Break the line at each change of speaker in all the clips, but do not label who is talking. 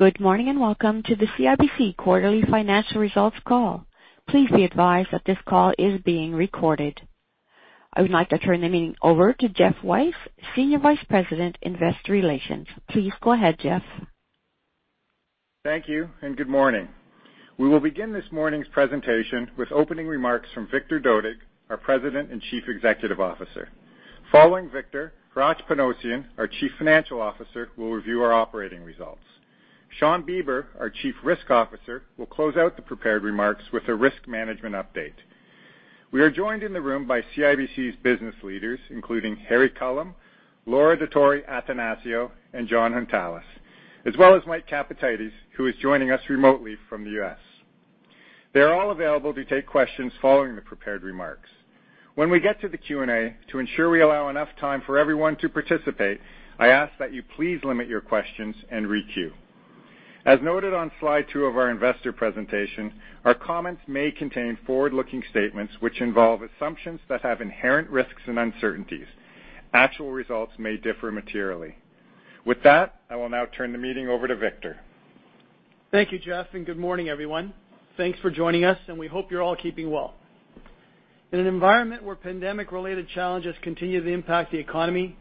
Good morning and welcome to the CIBC Quarterly Financial Results Call. Please be advised that this call is being recorded. I would like to turn the meeting over to Geoff Weiss, Senior Vice President, Investor Relations. Please go ahead, Geoff.
Thank you and good morning. We will begin this morning's presentation with opening remarks from Harry Culham, Executive Vice-President and Head of Capital Markets. Following Harry Culham, Hratch Panossian, our Chief Financial Officer, will review our operating results. Shawn Beber, Senior Executive Vice-President and Head of U.S. Region, will close out the prepared remarks with a risk management update. We are joined in the room by CIBC's business leaders, including Harry Culham, Laura Detor, and Jon Hountalas, as well as Mike Capatides, who is joining us remotely from the U.S. They are all available to take questions following the prepared remarks. When we get to the Q&A, to ensure we allow enough time for everyone to participate, I ask that you please limit your questions and re-queue. As noted on slide two of our investor presentation, our comments may contain forward-looking statements which involve assumptions that have inherent risks and uncertainties. Actual results may differ materially. With that, I will now turn the meeting over to Harry Culham.
Thank you, Geoff, and good morning, everyone. Thanks for joining us, and we hope you're all keeping well. In an environment where pandemic-related challenges continue to impact the economy,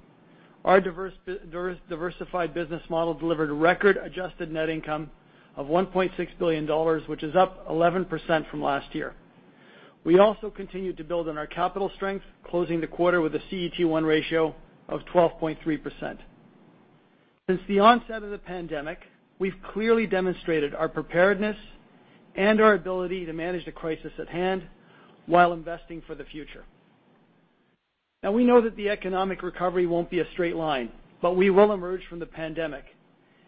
our diversified business model delivered a record-adjusted net income of 1.6 billion dollars, which is up 11% from last year. We also continued to build on our capital strength, closing the quarter with a CET1 ratio of 12.3%. Since the onset of the pandemic, we've clearly demonstrated our preparedness and our ability to manage the crisis at hand while investing for the future. Now, we know that the economic recovery will not be a straight line, but we will emerge from the pandemic,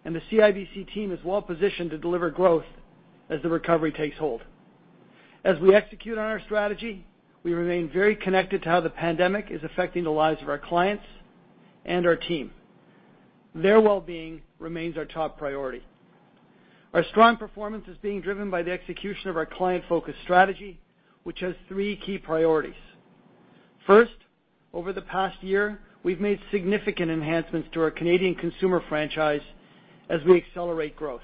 and the CIBC team is well-positioned to deliver growth as the recovery takes hold. As we execute on our strategy, we remain very connected to how the pandemic is affecting the lives of our clients and our team. Their well-being remains our top priority. Our strong performance is being driven by the execution of our client-focused strategy, which has three key priorities. First, over the past year, we've made significant enhancements to our Canadian consumer franchise as we accelerate growth.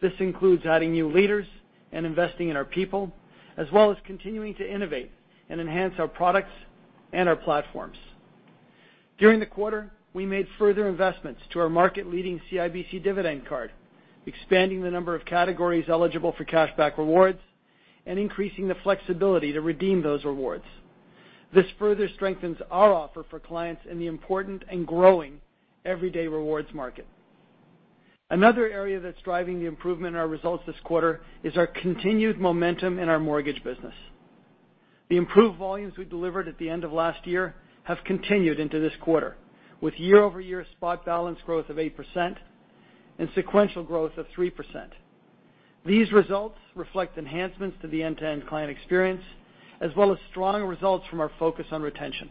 This includes adding new leaders and investing in our people, as well as continuing to innovate and enhance our products and our platforms. During the quarter, we made further investments to our market-leading CIBC Dividend Visa Infinite Card, expanding the number of categories eligible for cashback rewards and increasing the flexibility to redeem those rewards. This further strengthens our offer for clients in the important and growing everyday rewards market. Another area that's driving the improvement in our results this quarter is our continued momentum in our mortgage business. The improved volumes we delivered at the end of last year have continued into this quarter, with year-over-year spot balance growth of 8% and sequential growth of 3%. These results reflect enhancements to the end-to-end client experience, as well as strong results from our focus on retention.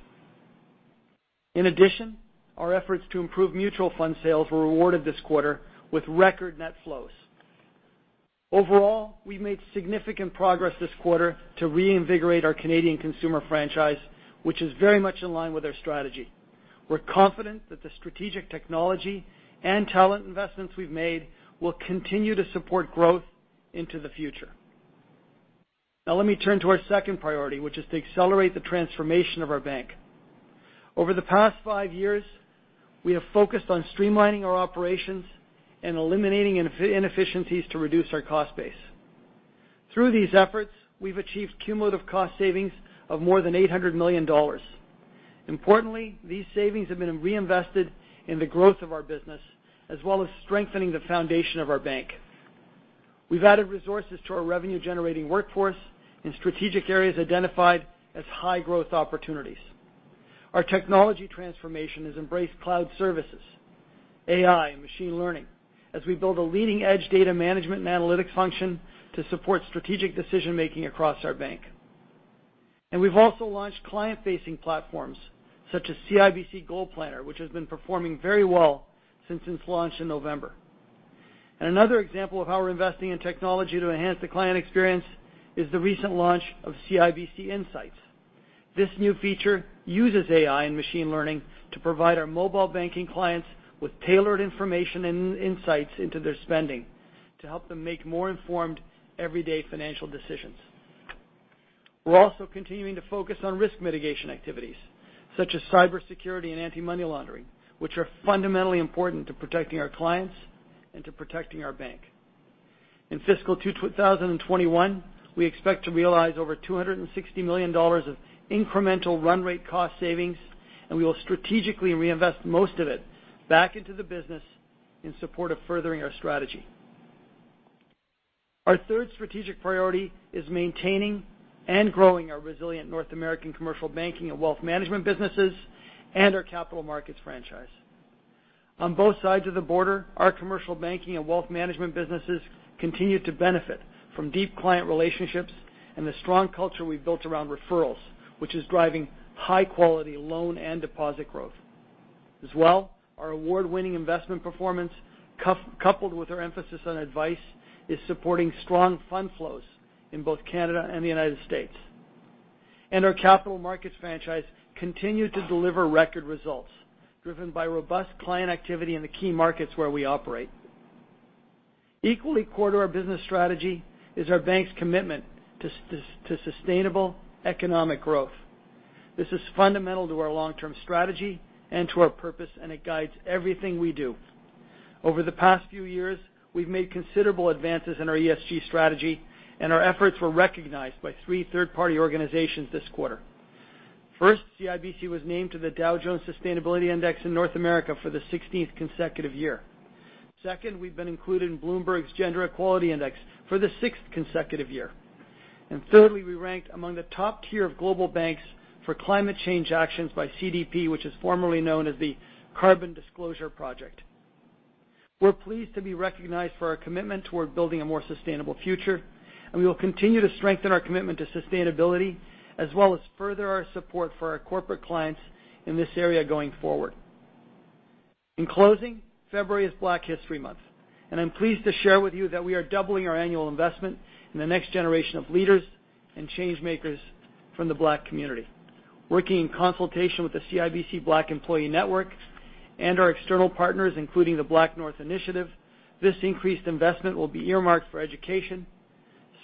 In addition, our efforts to improve mutual fund sales were rewarded this quarter with record net flows. Overall, we've made significant progress this quarter to reinvigorate our Canadian consumer franchise, which is very much in line with our strategy. We're confident that the strategic technology and talent investments we've made will continue to support growth into the future. Now, let me turn to our second priority, which is to accelerate the transformation of our bank. Over the past five years, we have focused on streamlining our operations and eliminating inefficiencies to reduce our cost base. Through these efforts, we've achieved cumulative cost savings of more than 800 million dollars. Importantly, these savings have been reinvested in the growth of our business, as well as strengthening the foundation of our bank. We've added resources to our revenue-generating workforce in strategic areas identified as high-growth opportunities. Our technology transformation has embraced cloud services, AI, and machine learning, as we build a leading-edge data management and analytics function to support strategic decision-making across our bank. We have also launched client-facing platforms such as CIBC Goal Planner, which has been performing very well since its launch in November. Another example of how we're investing in technology to enhance the client experience is the recent launch of CIBC Insights. This new feature uses AI and machine learning to provide our mobile banking clients with tailored information and insights into their spending to help them make more informed everyday financial decisions. We're also continuing to focus on risk mitigation activities such as cybersecurity and anti-money laundering, which are fundamentally important to protecting our clients and to protecting our bank. In fiscal 2021, we expect to realize over 260 million dollars of incremental run-rate cost savings, and we will strategically reinvest most of it back into the business in support of furthering our strategy. Our third strategic priority is maintaining and growing our resilient North American commercial banking and wealth management businesses and our capital markets franchise. On both sides of the border, our commercial banking and wealth management businesses continue to benefit from deep client relationships and the strong culture we've built around referrals, which is driving high-quality loan and deposit growth. As well, our award-winning investment performance, coupled with our emphasis on advice, is supporting strong fund flows in both Canada and the United States. Our capital markets franchise continues to deliver record results, driven by robust client activity in the key markets where we operate. Equally core to our business strategy is our bank's commitment to sustainable economic growth. This is fundamental to our long-term strategy and to our purpose, and it guides everything we do. Over the past few years, we have made considerable advances in our ESG strategy, and our efforts were recognized by three third-party organizations this quarter. First, CIBC was named to the Dow Jones Sustainability Index in North America for the 16th consecutive year. Second, we have been included in Bloomberg's Gender Equality Index for the sixth consecutive year. Thirdly, we ranked among the top tier of global banks for climate change actions by CDP, which is formerly known as the Carbon Disclosure Project. We're pleased to be recognized for our commitment toward building a more sustainable future, and we will continue to strengthen our commitment to sustainability, as well as further our support for our corporate clients in this area going forward. In closing, February is Black History Month, and I'm pleased to share with you that we are doubling our annual investment in the next generation of leaders and change-makers from the Black community. Working in consultation with the CIBC Black Employee Network and our external partners, including the Black North Initiative, this increased investment will be earmarked for education,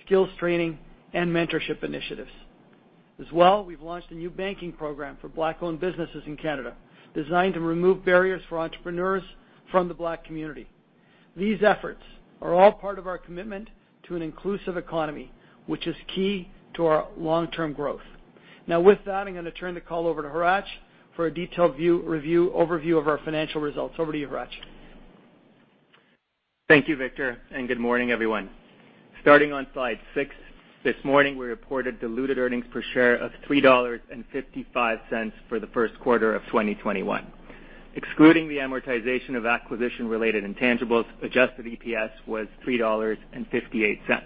skills training, and mentorship initiatives. As well, we've launched a new banking program for Black-owned businesses in Canada, designed to remove barriers for entrepreneurs from the Black community. These efforts are all part of our commitment to an inclusive economy, which is key to our long-term growth. Now, with that, I'm going to turn the call over to Hratch for a detailed review overview of our financial results. Over to you, Hratch.
Thank you, Harry Culham, and good morning, everyone. Starting on slide six, this morning we reported diluted earnings per share of $3.55 for the first quarter of 2021. Excluding the amortization of acquisition-related intangibles, adjusted EPS was $3.58.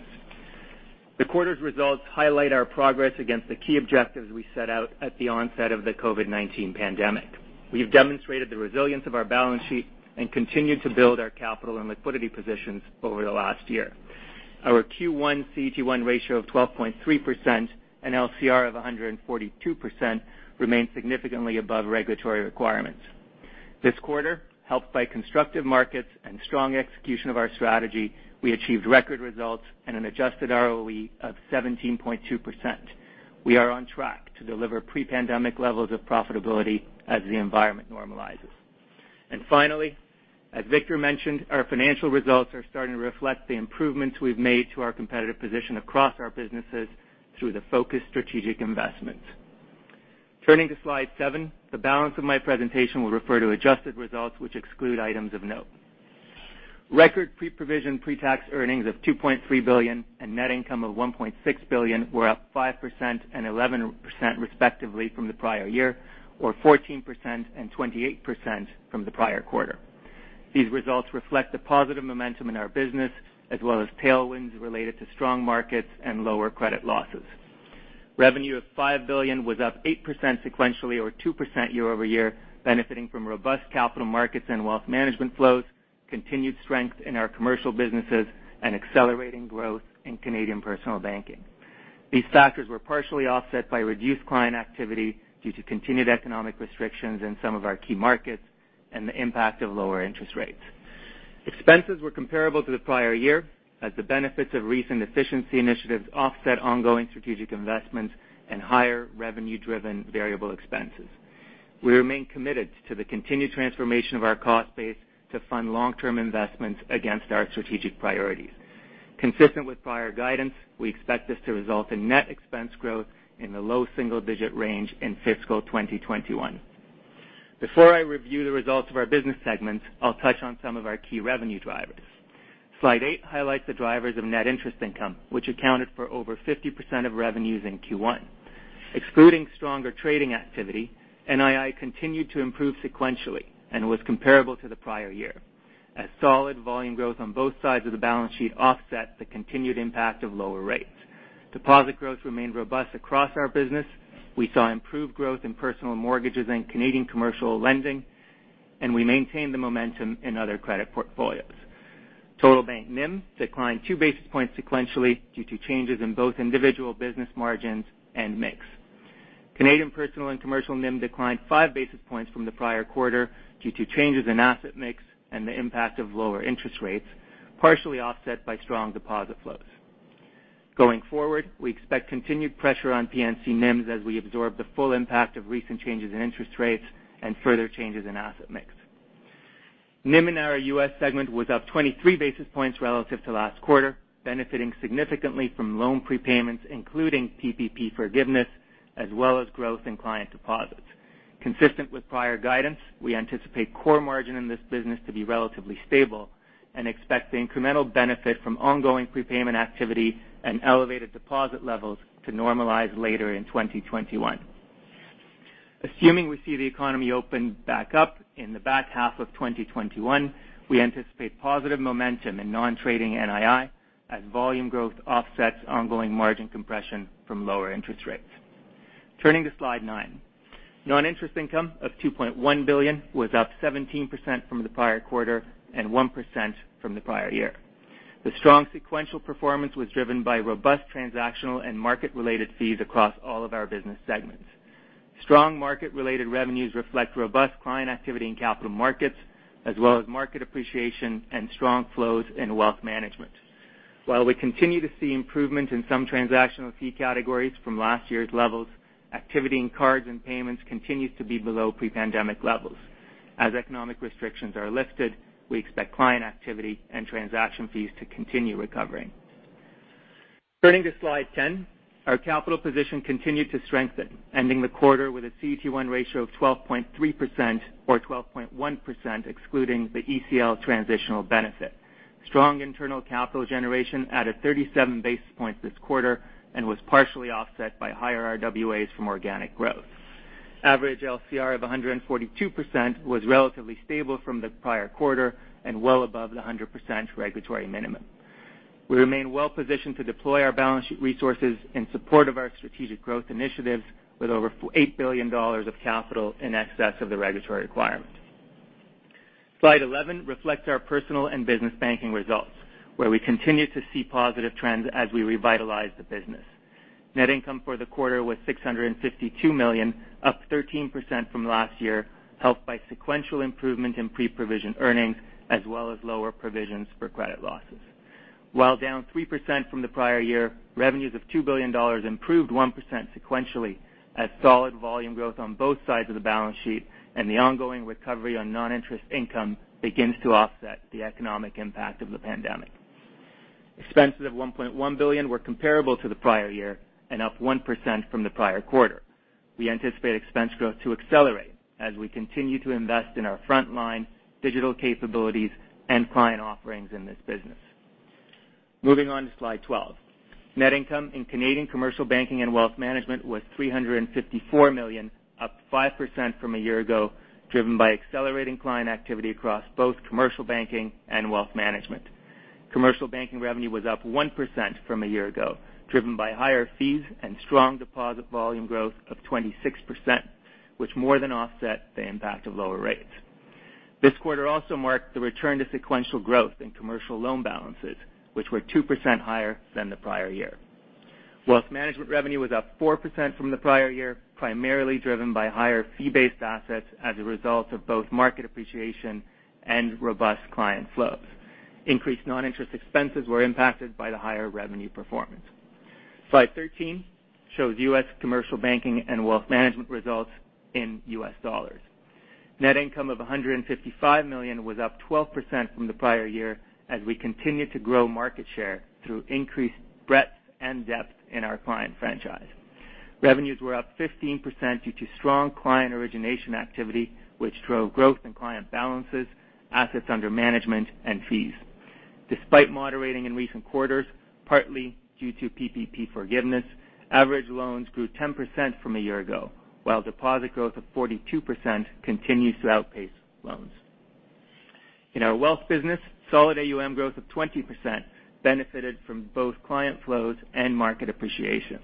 The quarter's results highlight our progress against the key objectives we set out at the onset of the COVID-19 pandemic. We've demonstrated the resilience of our balance sheet and continued to build our capital and liquidity positions over the last year. Our Q1 CET1 ratio of 12.3% and LCR of 142% remain significantly above regulatory requirements. This quarter, helped by constructive markets and strong execution of our strategy, we achieved record results and an adjusted ROE of 17.2%. We are on track to deliver pre-pandemic levels of profitability as the environment normalizes. As Harry Culham mentioned, our financial results are starting to reflect the improvements we have made to our competitive position across our businesses through the focused strategic investments. Turning to slide seven, the balance of my presentation will refer to adjusted results, which exclude items of note. Record pre-provision pretax earnings of 2.3 billion and net income of 1.6 billion were up 5% and 11% respectively from the prior year, or 14% and 28% from the prior quarter. These results reflect the positive momentum in our business, as well as tailwinds related to strong markets and lower credit losses. Revenue of 5 billion was up 8% sequentially, or 2% year-over-year, benefiting from robust capital markets and wealth management flows, continued strength in our commercial businesses, and accelerating growth in Canadian personal banking. These factors were partially offset by reduced client activity due to continued economic restrictions in some of our key markets and the impact of lower interest rates. Expenses were comparable to the prior year, as the benefits of recent efficiency initiatives offset ongoing strategic investments and higher revenue-driven variable expenses. We remain committed to the continued transformation of our cost base to fund long-term investments against our strategic priorities. Consistent with prior guidance, we expect this to result in net expense growth in the low single-digit range in fiscal 2021. Before I review the results of our business segments, I'll touch on some of our key revenue drivers. Slide eight highlights the drivers of net interest income, which accounted for over 50% of revenues in Q1. Excluding stronger trading activity, NII continued to improve sequentially and was comparable to the prior year, as solid volume growth on both sides of the balance sheet offset the continued impact of lower rates. Deposit growth remained robust across our business. We saw improved growth in personal mortgages and Canadian commercial lending, and we maintained the momentum in other credit portfolios. Total Bank NIM declined 2 bps sequentially due to changes in both individual business margins and mix. Canadian personal and commercial NIM declined 5 bps from the prior quarter due to changes in asset mix and the impact of lower interest rates, partially offset by strong deposit flows. Going forward, we expect continued pressure on P&C NIM as we absorb the full impact of recent changes in interest rates and further changes in asset mix. NIM in our U.S. segment was up 23 bps relative to last quarter, benefiting significantly from loan prepayments, including PPP forgiveness, as well as growth in client deposits. Consistent with prior guidance, we anticipate core margin in this business to be relatively stable and expect the incremental benefit from ongoing prepayment activity and elevated deposit levels to normalize later in 2021. Assuming we see the economy open back up in the back half of 2021, we anticipate positive momentum in non-trading NII as volume growth offsets ongoing margin compression from lower interest rates. Turning to slide nine, non-interest income of 2.1 billion was up 17% from the prior quarter and 1% from the prior year. The strong sequential performance was driven by robust transactional and market-related fees across all of our business segments. Strong market-related revenues reflect robust client activity in capital markets, as well as market appreciation and strong flows in wealth management. While we continue to see improvements in some transactional fee categories from last year's levels, activity in cards and payments continues to be below pre-pandemic levels. As economic restrictions are lifted, we expect client activity and transaction fees to continue recovering. Turning to slide ten, our capital position continued to strengthen, ending the quarter with a CET1 ratio of 12.3%, or 12.1% excluding the ECL transitional benefit. Strong internal capital generation added 37 bps this quarter and was partially offset by higher RWAs from organic growth. Average LCR of 142% was relatively stable from the prior quarter and well above the 100% regulatory minimum. We remain well-positioned to deploy our balance sheet resources in support of our strategic growth initiatives with over 8 billion dollars of capital in excess of the regulatory requirement. Slide 11 reflects our personal and business banking results, where we continue to see positive trends as we revitalize the business. Net income for the quarter was 652 million, up 13% from last year, helped by sequential improvement in pre-provision earnings, as well as lower provisions for credit losses. While down 3% from the prior year, revenues of 2 billion dollars improved 1% sequentially as solid volume growth on both sides of the balance sheet and the ongoing recovery on non-interest income begins to offset the economic impact of the pandemic. Expenses of 1.1 billion were comparable to the prior year and up 1% from the prior quarter. We anticipate expense growth to accelerate as we continue to invest in our frontline, digital capabilities, and client offerings in this business. Moving on to slide 12, net income in Canadian commercial banking and wealth management was 354 million, up 5% from a year ago, driven by accelerating client activity across both commercial banking and wealth management. Commercial banking revenue was up 1% from a year ago, driven by higher fees and strong deposit volume growth of 26%, which more than offset the impact of lower rates. This quarter also marked the return to sequential growth in commercial loan balances, which were 2% higher than the prior year. Wealth management revenue was up 4% from the prior year, primarily driven by higher fee-based assets as a result of both market appreciation and robust client flows. Increased non-interest expenses were impacted by the higher revenue performance. Slide 13 shows U.S. commercial banking and wealth management results in U.S. dollars. Net income of $155 million was up 12% from the prior year as we continued to grow market share through increased breadth and depth in our client franchise. Revenues were up 15% due to strong client origination activity, which drove growth in client balances, assets under management, and fees. Despite moderating in recent quarters, partly due to PPP forgiveness, average loans grew 10% from a year ago, while deposit growth of 42% continues to outpace loans. In our wealth business, solid AUM growth of 20% benefited from both client flows and market appreciation.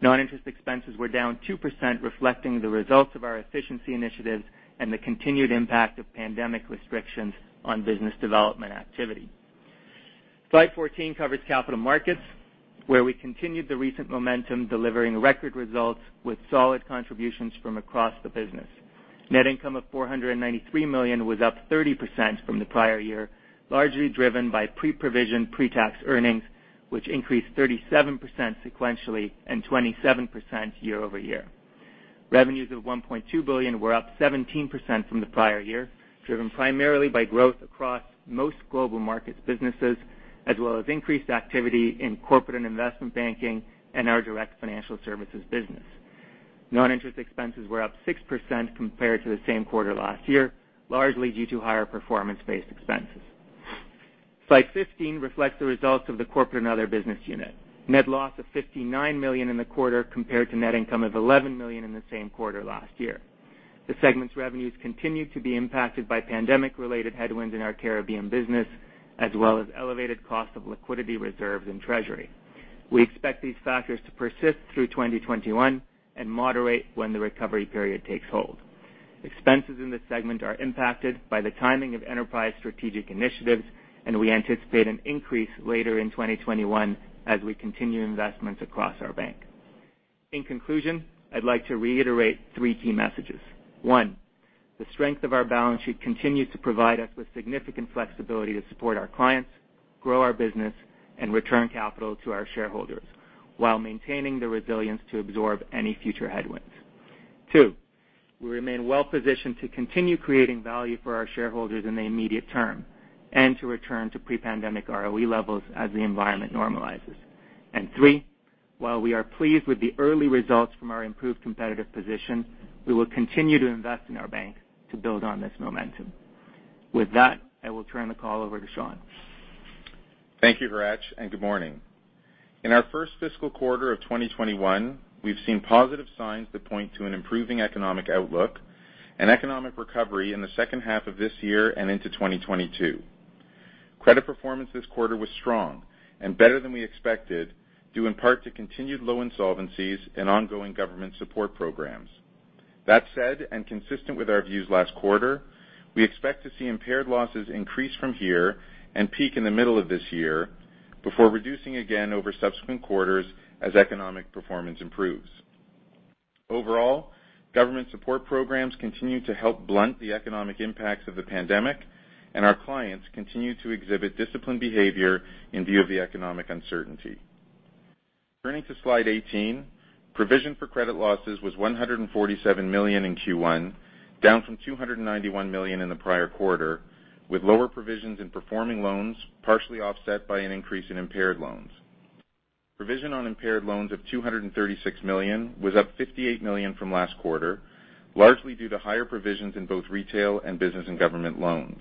Non-interest expenses were down 2%, reflecting the results of our efficiency initiatives and the continued impact of pandemic restrictions on business development activity. Slide 14 covers capital markets, where we continued the recent momentum, delivering record results with solid contributions from across the business. Net income of $493 million was up 30% from the prior year, largely driven by pre-provision pretax earnings, which increased 37% sequentially and 27% year-over-year. Revenues of $1.2 billion were up 17% from the prior year, driven primarily by growth across most global markets' businesses, as well as increased activity in corporate and investment banking and our direct financial services business. Non-interest expenses were up 6% compared to the same quarter last year, largely due to higher performance-based expenses. Slide 15 reflects the results of the corporate and other business unit. Net loss of $59 million in the quarter compared to net income of $11 million in the same quarter last year. The segment's revenues continued to be impacted by pandemic-related headwinds in our Caribbean business, as well as elevated cost of liquidity reserves in treasury. We expect these factors to persist through 2021 and moderate when the recovery period takes hold. Expenses in this segment are impacted by the timing of enterprise strategic initiatives, and we anticipate an increase later in 2021 as we continue investments across our bank. In conclusion, I'd like to reiterate three key messages. One, the strength of our balance sheet continues to provide us with significant flexibility to support our clients, grow our business, and return capital to our shareholders while maintaining the resilience to absorb any future headwinds. Two, we remain well-positioned to continue creating value for our shareholders in the immediate term and to return to pre-pandemic ROE levels as the environment normalizes. Three, while we are pleased with the early results from our improved competitive position, we will continue to invest in our bank to build on this momentum. With that, I will turn the call over to Shawn.
Thank you, Hratch, and good morning. In our first fiscal quarter of 2021, we've seen positive signs that point to an improving economic outlook and economic recovery in the second half of this year and into 2022. Credit performance this quarter was strong and better than we expected, due in part to continued low insolvencies and ongoing government support programs. That said, and consistent with our views last quarter, we expect to see impaired losses increase from here and peak in the middle of this year before reducing again over subsequent quarters as economic performance improves. Overall, government support programs continue to help blunt the economic impacts of the pandemic, and our clients continue to exhibit disciplined behavior in view of the economic uncertainty. Turning to slide 18, provision for credit losses was $147 million in Q1, down from $291 million in the prior quarter, with lower provisions in performing loans partially offset by an increase in impaired loans. Provision on impaired loans of $236 million was up $58 million from last quarter, largely due to higher provisions in both retail and business and government loans.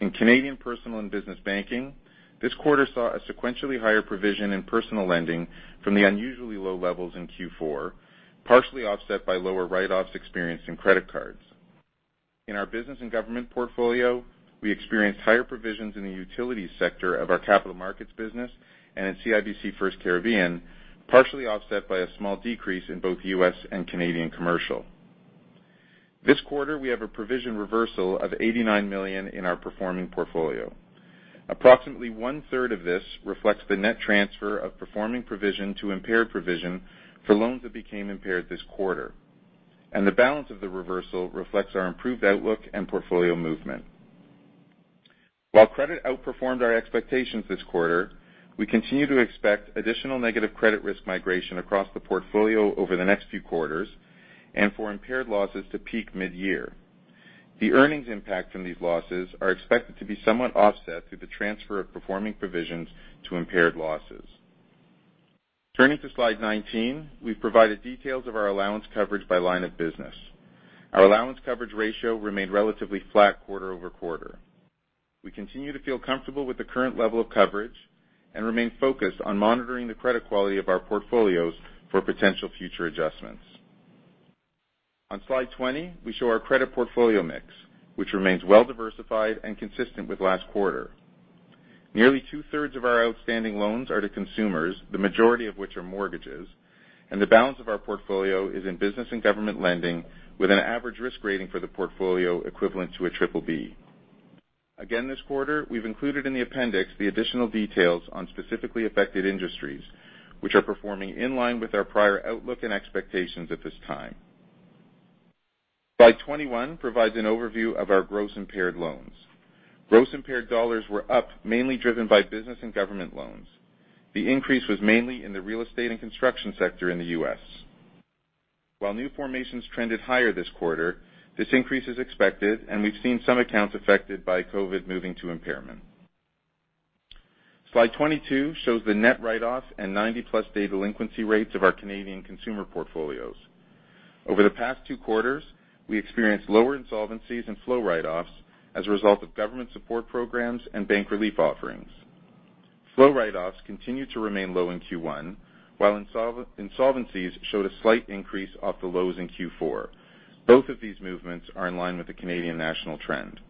In Canadian personal and business banking, this quarter saw a sequentially higher provision in personal lending from the unusually low levels in Q4, partially offset by lower write-offs experienced in credit cards. In our business and government portfolio, we experienced higher provisions in the utilities sector of our capital markets business and in CIBC FirstCaribbean, partially offset by a small decrease in both U.S. and Canadian commercial. This quarter, we have a provision reversal of $89 million in our performing portfolio. Approximately 1/3 of this reflects the net transfer of performing provision to impaired provision for loans that became impaired this quarter, and the balance of the reversal reflects our improved outlook and portfolio movement. While credit outperformed our expectations this quarter, we continue to expect additional negative credit risk migration across the portfolio over the next few quarters and for impaired losses to peak mid-year. The earnings impact from these losses are expected to be somewhat offset through the transfer of performing provisions to impaired losses. Turning to slide 19, we've provided details of our allowance coverage by line of business. Our allowance coverage ratio remained relatively flat quarter over quarter. We continue to feel comfortable with the current level of coverage and remain focused on monitoring the credit quality of our portfolios for potential future adjustments. On slide 20, we show our credit portfolio mix, which remains well-diversified and consistent with last quarter. Nearly 2/3 of our outstanding loans are to consumers, the majority of which are mortgages, and the balance of our portfolio is in business and government lending with an average risk rating for the portfolio equivalent to a BBB. Again, this quarter, we've included in the appendix the additional details on specifically affected industries, which are performing in line with our prior outlook and expectations at this time. Slide 21 provides an overview of our gross impaired loans. Gross impaired dollars were up, mainly driven by business and government loans. The increase was mainly in the real estate and construction sector in the U.S. While new formations trended higher this quarter, this increase is expected, and we've seen some accounts affected by COVID moving to impairment. Slide 22 shows the net write-off and 90+-day delinquency rates of our Canadian consumer portfolios. Over the past two quarters, we experienced lower insolvencies and flow write-offs as a result of government support programs and bank relief offerings. Flow write-offs continued to remain low in Q1, while insolvencies showed a slight increase off the lows in Q4. Both of these movements are in line with the Canadian national trend.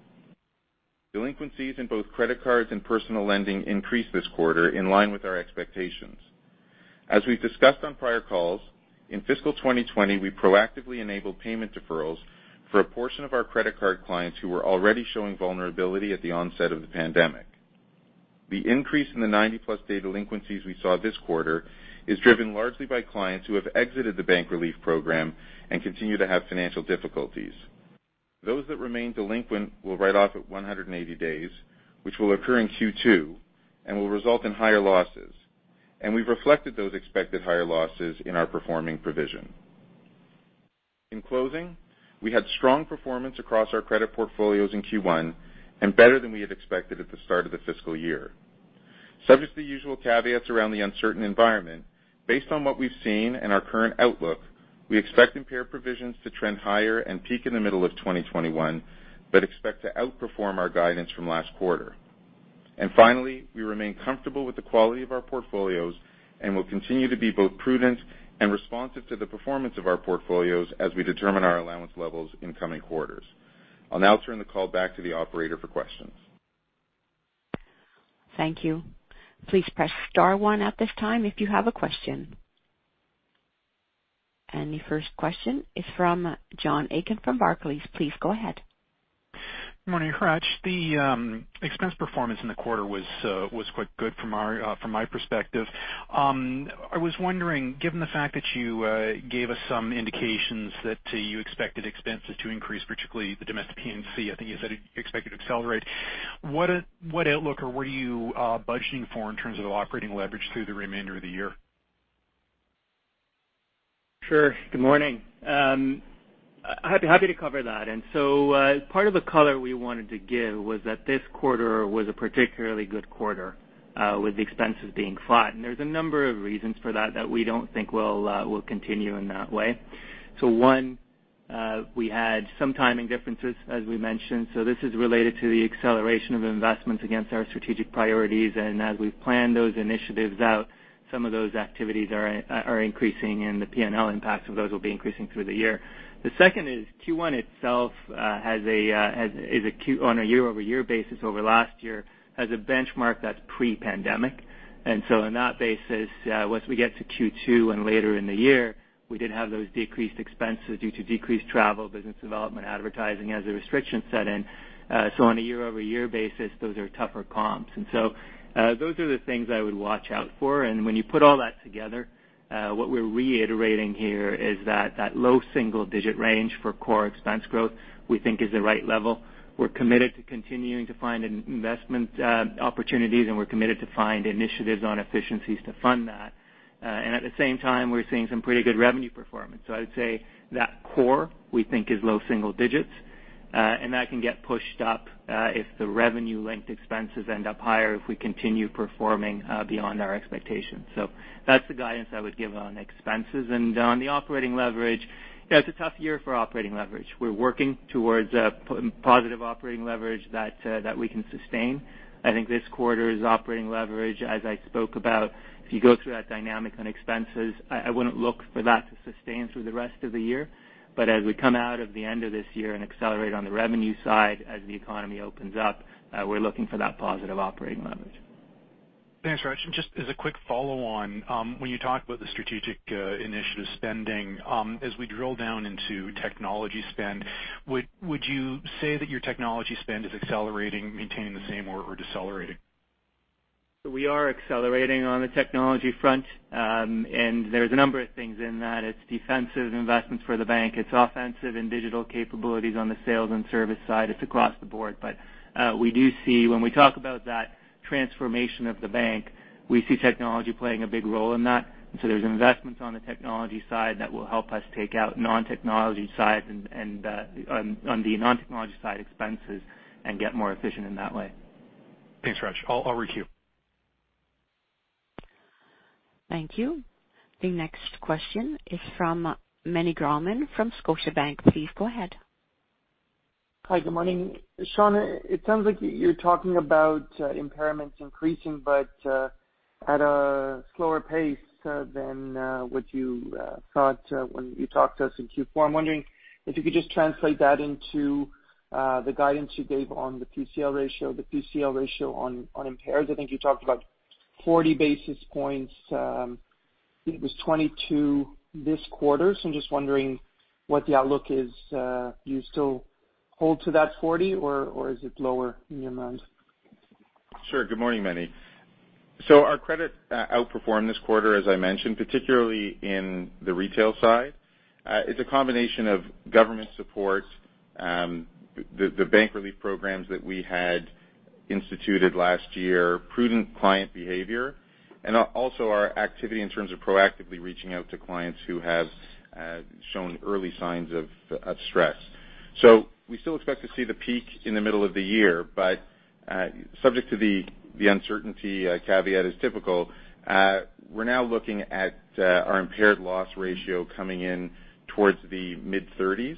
Delinquencies in both credit cards and personal lending increased this quarter in line with our expectations. As we've discussed on prior calls, in fiscal 2020, we proactively enabled payment deferrals for a portion of our credit card clients who were already showing vulnerability at the onset of the pandemic. The increase in the 90+-day delinquencies we saw this quarter is driven largely by clients who have exited the bank relief program and continue to have financial difficulties. Those that remain delinquent will write off at 180 days, which will occur in Q2 and will result in higher losses, and we have reflected those expected higher losses in our performing provision. In closing, we had strong performance across our credit portfolios in Q1 and better than we had expected at the start of the fiscal year. Subject to the usual caveats around the uncertain environment, based on what we have seen and our current outlook, we expect impaired provisions to trend higher and peak in the middle of 2021, but expect to outperform our guidance from last quarter. Finally, we remain comfortable with the quality of our portfolios and will continue to be both prudent and responsive to the performance of our portfolios as we determine our allowance levels in coming quarters. I will now turn the call back to the operator for questions.
Thank you. Please press star one at this time if you have a question. The first question is from John Aiken from Barclays. Please go ahead.
Good morning, Hratch. The expense performance in the quarter was quite good from my perspective. I was wondering, given the fact that you gave us some indications that you expected expenses to increase, particularly the domestic P&C, I think you said you expected to accelerate. What outlook or what are you budgeting for in terms of operating leverage through the remainder of the year?
Sure. Good morning. Happy to cover that. Part of the color we wanted to give was that this quarter was a particularly good quarter with expenses being flat. There are a number of reasons for that that we do not think will continue in that way. One, we had some timing differences, as we mentioned. This is related to the acceleration of investments against our strategic priorities. As we have planned those initiatives out, some of those activities are increasing, and the P&L impacts of those will be increasing through the year. The second is Q1 itself, on a year-over-year basis over last year, has a benchmark that is pre-pandemic. On that basis, once we get to Q2 and later in the year, we did have those decreased expenses due to decreased travel, business development, advertising as a restriction set in. On a year-over-year basis, those are tougher comps. Those are the things I would watch out for. When you put all that together, what we're reiterating here is that that low single-digit range for core expense growth, we think, is the right level. We're committed to continuing to find investment opportunities, and we're committed to find initiatives on efficiencies to fund that. At the same time, we're seeing some pretty good revenue performance. I would say that core, we think, is low single digits, and that can get pushed up if the revenue-linked expenses end up higher if we continue performing beyond our expectations. That's the guidance I would give on expenses. On the operating leverage, it's a tough year for operating leverage. We're working towards a positive operating leverage that we can sustain. I think this quarter's operating leverage, as I spoke about, if you go through that dynamic on expenses, I would not look for that to sustain through the rest of the year. As we come out of the end of this year and accelerate on the revenue side as the economy opens up, we are looking for that positive operating leverage.
Thanks, Hratch. Just as a quick follow-on, when you talk about the strategic initiative spending, as we drill down into technology spend, would you say that your technology spend is accelerating, maintaining the same, or decelerating?
We are accelerating on the technology front, and there's a number of things in that. It's defensive investments for the bank. It's offensive and digital capabilities on the sales and service side. It's across the board. We do see, when we talk about that transformation of the bank, we see technology playing a big role in that. There are investments on the technology side that will help us take out non-technology side and on the non-technology side expenses and get more efficient in that way.
Thanks, Hratch. I'll recue.
Thank you. The next question is from Meny Grauman from Scotiabank. Please go ahead.
Hi. Good morning. Shawn, it sounds like you're talking about impairments increasing, but at a slower pace than what you thought when you talked to us in Q4. I'm wondering if you could just translate that into the guidance you gave on the PCL ratio, the PCL ratio on impaired. I think you talked about 40 bps. It was 22 bps this quarter. I'm just wondering what the outlook is. Do you still hold to that 40 bps, or is it lower in your mind?
Sure. Good morning, Meny. Our credit outperformed this quarter, as I mentioned, particularly in the retail side. It is a combination of government support, the bank relief programs that we had instituted last year, prudent client behavior, and also our activity in terms of proactively reaching out to clients who have shown early signs of stress. We still expect to see the peak in the middle of the year, but subject to the uncertainty caveat as typical, we are now looking at our impaired loss ratio coming in towards the mid-30s.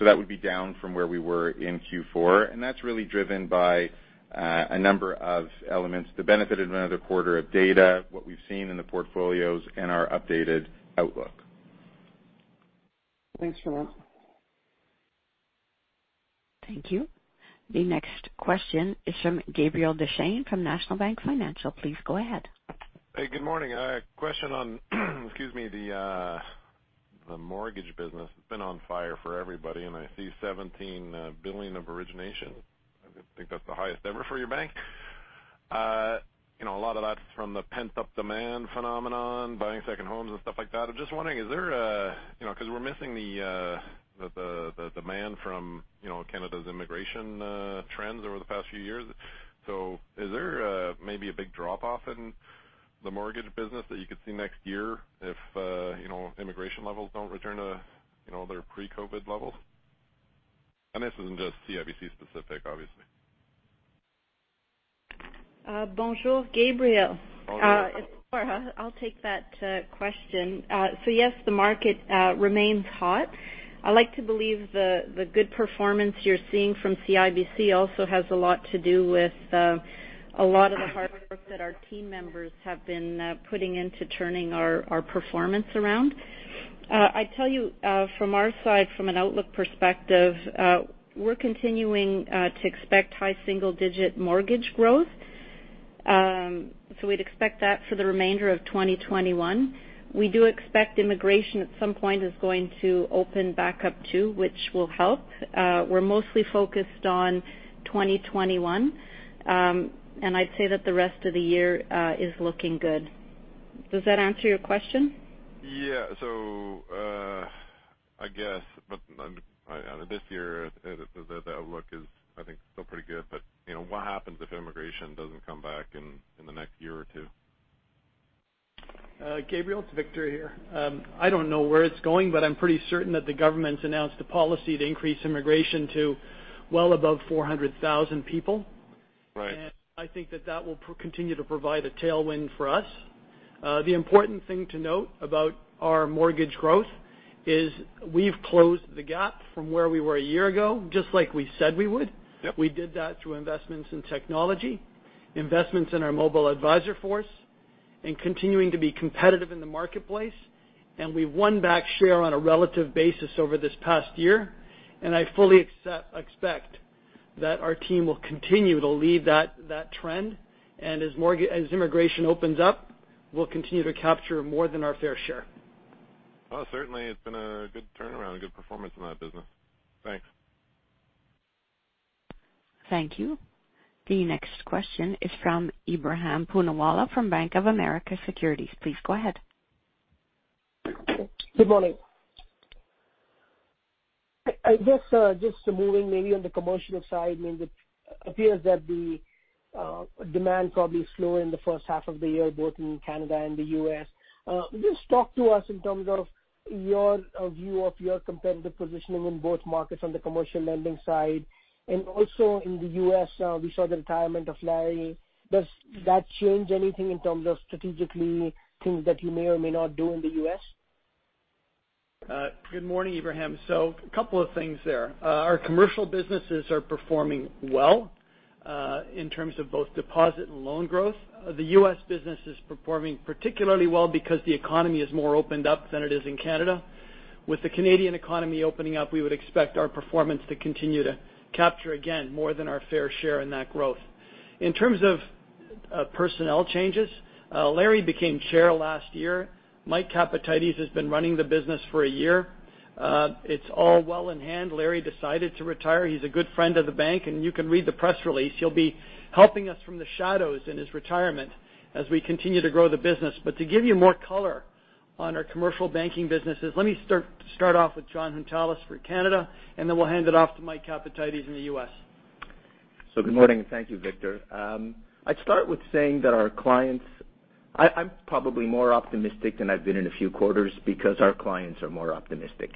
That would be down from where we were in Q4. That is really driven by a number of elements: the benefit of aother quarter of data, what we have seen in the portfolios, and our updated outlook.
Thanks for that.
Thank you. The next question is from Gabriel Dechaine from National Bank Financial. Please go ahead.
Hey, good morning. Question on, excuse me, the mortgage business. It's been on fire for everybody, and I see 17 billion of origination. I think that's the highest ever for your bank. A lot of that's from the pent-up demand phenomenon, buying second homes and stuff like that. I'm just wondering, is there because we're missing the demand from Canada's immigration trends over the past few years. Is there maybe a big drop-off in the mortgage business that you could see next year if immigration levels don't return to their pre-COVID levels? This isn't just CIBC specific, obviously.
Bonjour, Gabriel.
Bonjour.
I'll take that question. Yes, the market remains hot. I like to believe the good performance you're seeing from CIBC also has a lot to do with a lot of the hard work that our team members have been putting into turning our performance around. I tell you, from our side, from an outlook perspective, we're continuing to expect high single-digit mortgage growth. We'd expect that for the remainder of 2021. We do expect immigration at some point is going to open back up too, which will help. We're mostly focused on 2021, and I'd say that the rest of the year is looking good. Does that answer your question?
Yeah, I guess this year the outlook is, I think, still pretty good. What happens if immigration does not come back in the next year or two?
Gabriel, it's Harry Culham here. I don't know where it's going, but I'm pretty certain that the government's announced a policy to increase immigration to well above 400,000 people. I think that will continue to provide a tailwind for us. The important thing to note about our mortgage growth is we've closed the gap from where we were a year ago, just like we said we would. We did that through investments in technology, investments in our mobile advisor force, and continuing to be competitive in the marketplace. We've won back share on a relative basis over this past year. I fully expect that our team will continue to lead that trend. As immigration opens up, we'll continue to capture more than our fair share.
Oh, certainly. It's been a good turnaround, a good performance in that business. Thanks.
Thank you. The next question is from Ebrahim Poonawala from Bank of America Securities. Please go ahead.
Good morning. I guess just moving maybe on the commercial side, it appears that the demand probably is slower in the first half of the year, both in Canada and the U.S. Just talk to us in terms of your view of your competitive positioning in both markets on the commercial lending side. Also in the U.S., we saw the retirement of Larry. Does that change anything in terms of strategically things that you may or may not do in the U.S.?
Good morning, Ibrahim. A couple of things there. Our commercial businesses are performing well in terms of both deposit and loan growth. The U.S. business is performing particularly well because the economy has more opened up than it is in Canada. With the Canadian economy opening up, we would expect our performance to continue to capture, again, more than our fair share in that growth. In terms of personnel changes, Larry became Chair last year. Mike Capatides has been running the business for a year. It is all well in hand. Larry decided to retire. He is a good friend of the bank, and you can read the press release. He will be helping us from the shadows in his retirement as we continue to grow the business. To give you more color on our commercial banking businesses, let me start off with Jon Hountalas for Canada, and then we'll hand it off to Mike Capatides in the U.S.
Good morning, and thank you, Harry Culham. I'd start with saying that our clients, I'm probably more optimistic than I've been in a few quarters because our clients are more optimistic.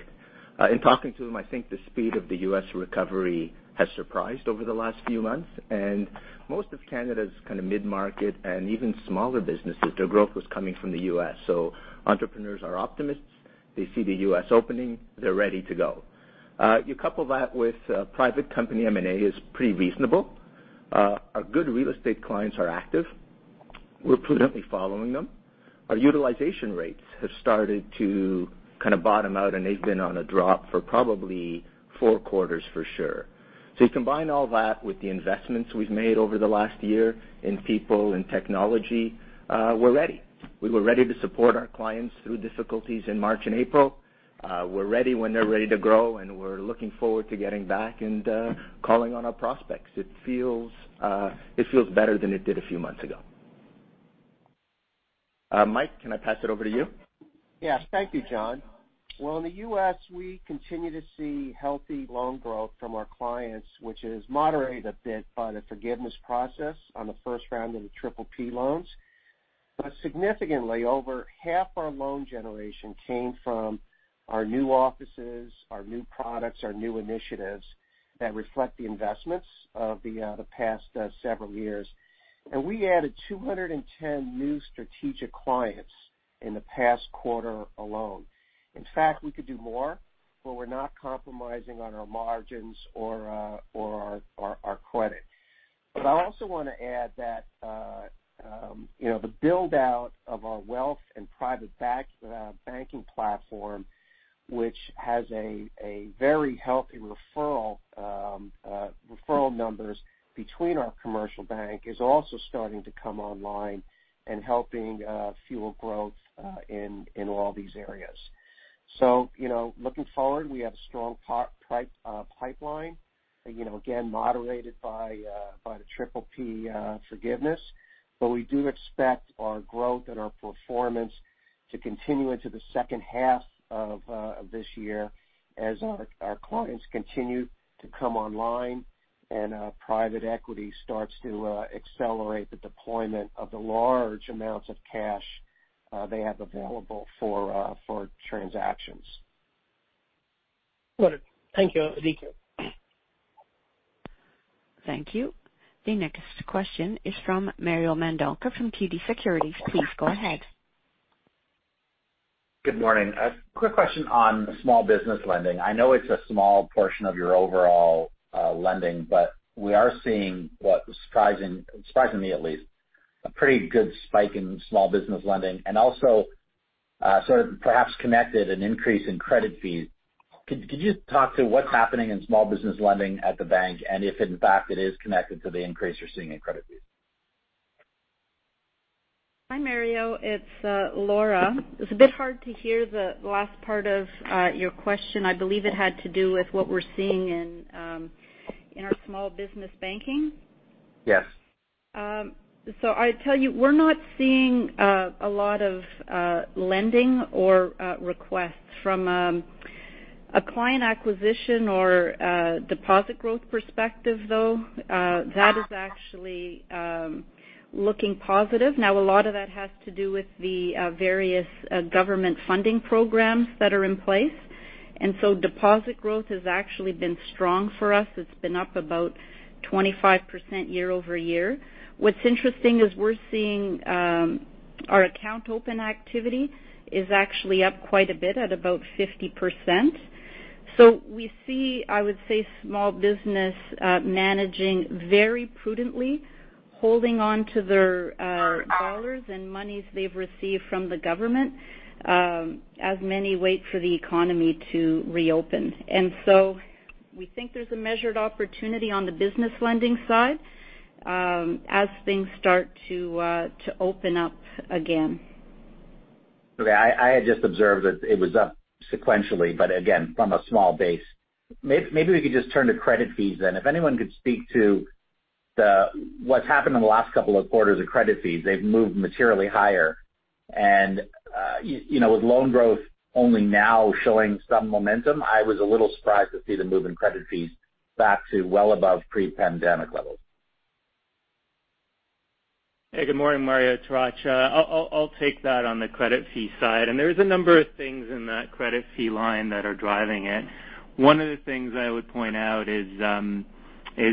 In talking to them, I think the speed of the U.S. recovery has surprised over the last few months. Most of Canada's kind of mid-market and even smaller businesses, their growth was coming from the U.S. Entrepreneurs are optimists. They see the U.S. opening. They're ready to go. You couple that with private company M&A is pretty reasonable. Our good real estate clients are active. We're prudently following them. Our utilization rates have started to kind of bottom out, and they've been on a drop for probably four quarters for sure. You combine all that with the investments we've made over the last year in people and technology, we're ready. We were ready to support our clients through difficulties in March and April. We're ready when they're ready to grow, and we're looking forward to getting back and calling on our prospects. It feels better than it did a few months ago. Mike, can I pass it over to you?
Yes. Thank you, Jon. In the U.S., we continue to see healthy loan growth from our clients, which is moderated a bit by the forgiveness process on the first round of the PPP loans. Significantly, over half our loan generation came from our new offices, our new products, our new initiatives that reflect the investments of the past several years. We added 210 new strategic clients in the past quarter alone. In fact, we could do more, but we're not compromising on our margins or our credit. I also want to add that the buildout of our wealth and private banking platform, which has very healthy referral numbers between our commercial bank, is also starting to come online and helping fuel growth in all these areas. Looking forward, we have a strong pipeline, again, moderated by the PPP forgiveness. We do expect our growth and our performance to continue into the second half of this year as our clients continue to come online and private equity starts to accelerate the deployment of the large amounts of cash they have available for transactions.
Got it. Thank you.
Thank you. The next question is from Mariela Mayda from TD Securities. Please go ahead.
Good morning. A quick question on small business lending. I know it is a small portion of your overall lending, but we are seeing, surprisingly at least, a pretty good spike in small business lending and also sort of perhaps connected an increase in credit fees. Could you talk to what is happening in small business lending at the bank and if, in fact, it is connected to the increase you are seeing in credit fees?
Hi, Mariela. It's Laura. It's a bit hard to hear the last part of your question. I believe it had to do with what we're seeing in our small business banking.
Yes.
I tell you, we're not seeing a lot of lending or requests from a client acquisition or deposit growth perspective, though. That is actually looking positive. Now, a lot of that has to do with the various government funding programs that are in place. Deposit growth has actually been strong for us. It's been up about 25% year over year. What's interesting is we're seeing our account open activity is actually up quite a bit at about 50%. We see, I would say, small business managing very prudently, holding on to their dollars and monies they've received from the government as many wait for the economy to reopen. We think there's a measured opportunity on the business lending side as things start to open up again.
Okay. I had just observed that it was up sequentially, but again, from a small base. Maybe we could just turn to credit fees then. If anyone could speak to what's happened in the last couple of quarters of credit fees, they've moved materially higher. With loan growth only now showing some momentum, I was a little surprised to see the move in credit fees back to well above pre-pandemic levels.
Hey, good morning, Mariela Mayda. I'll take that on the credit fee side. There is a number of things in that credit fee line that are driving it. One of the things I would point out is there is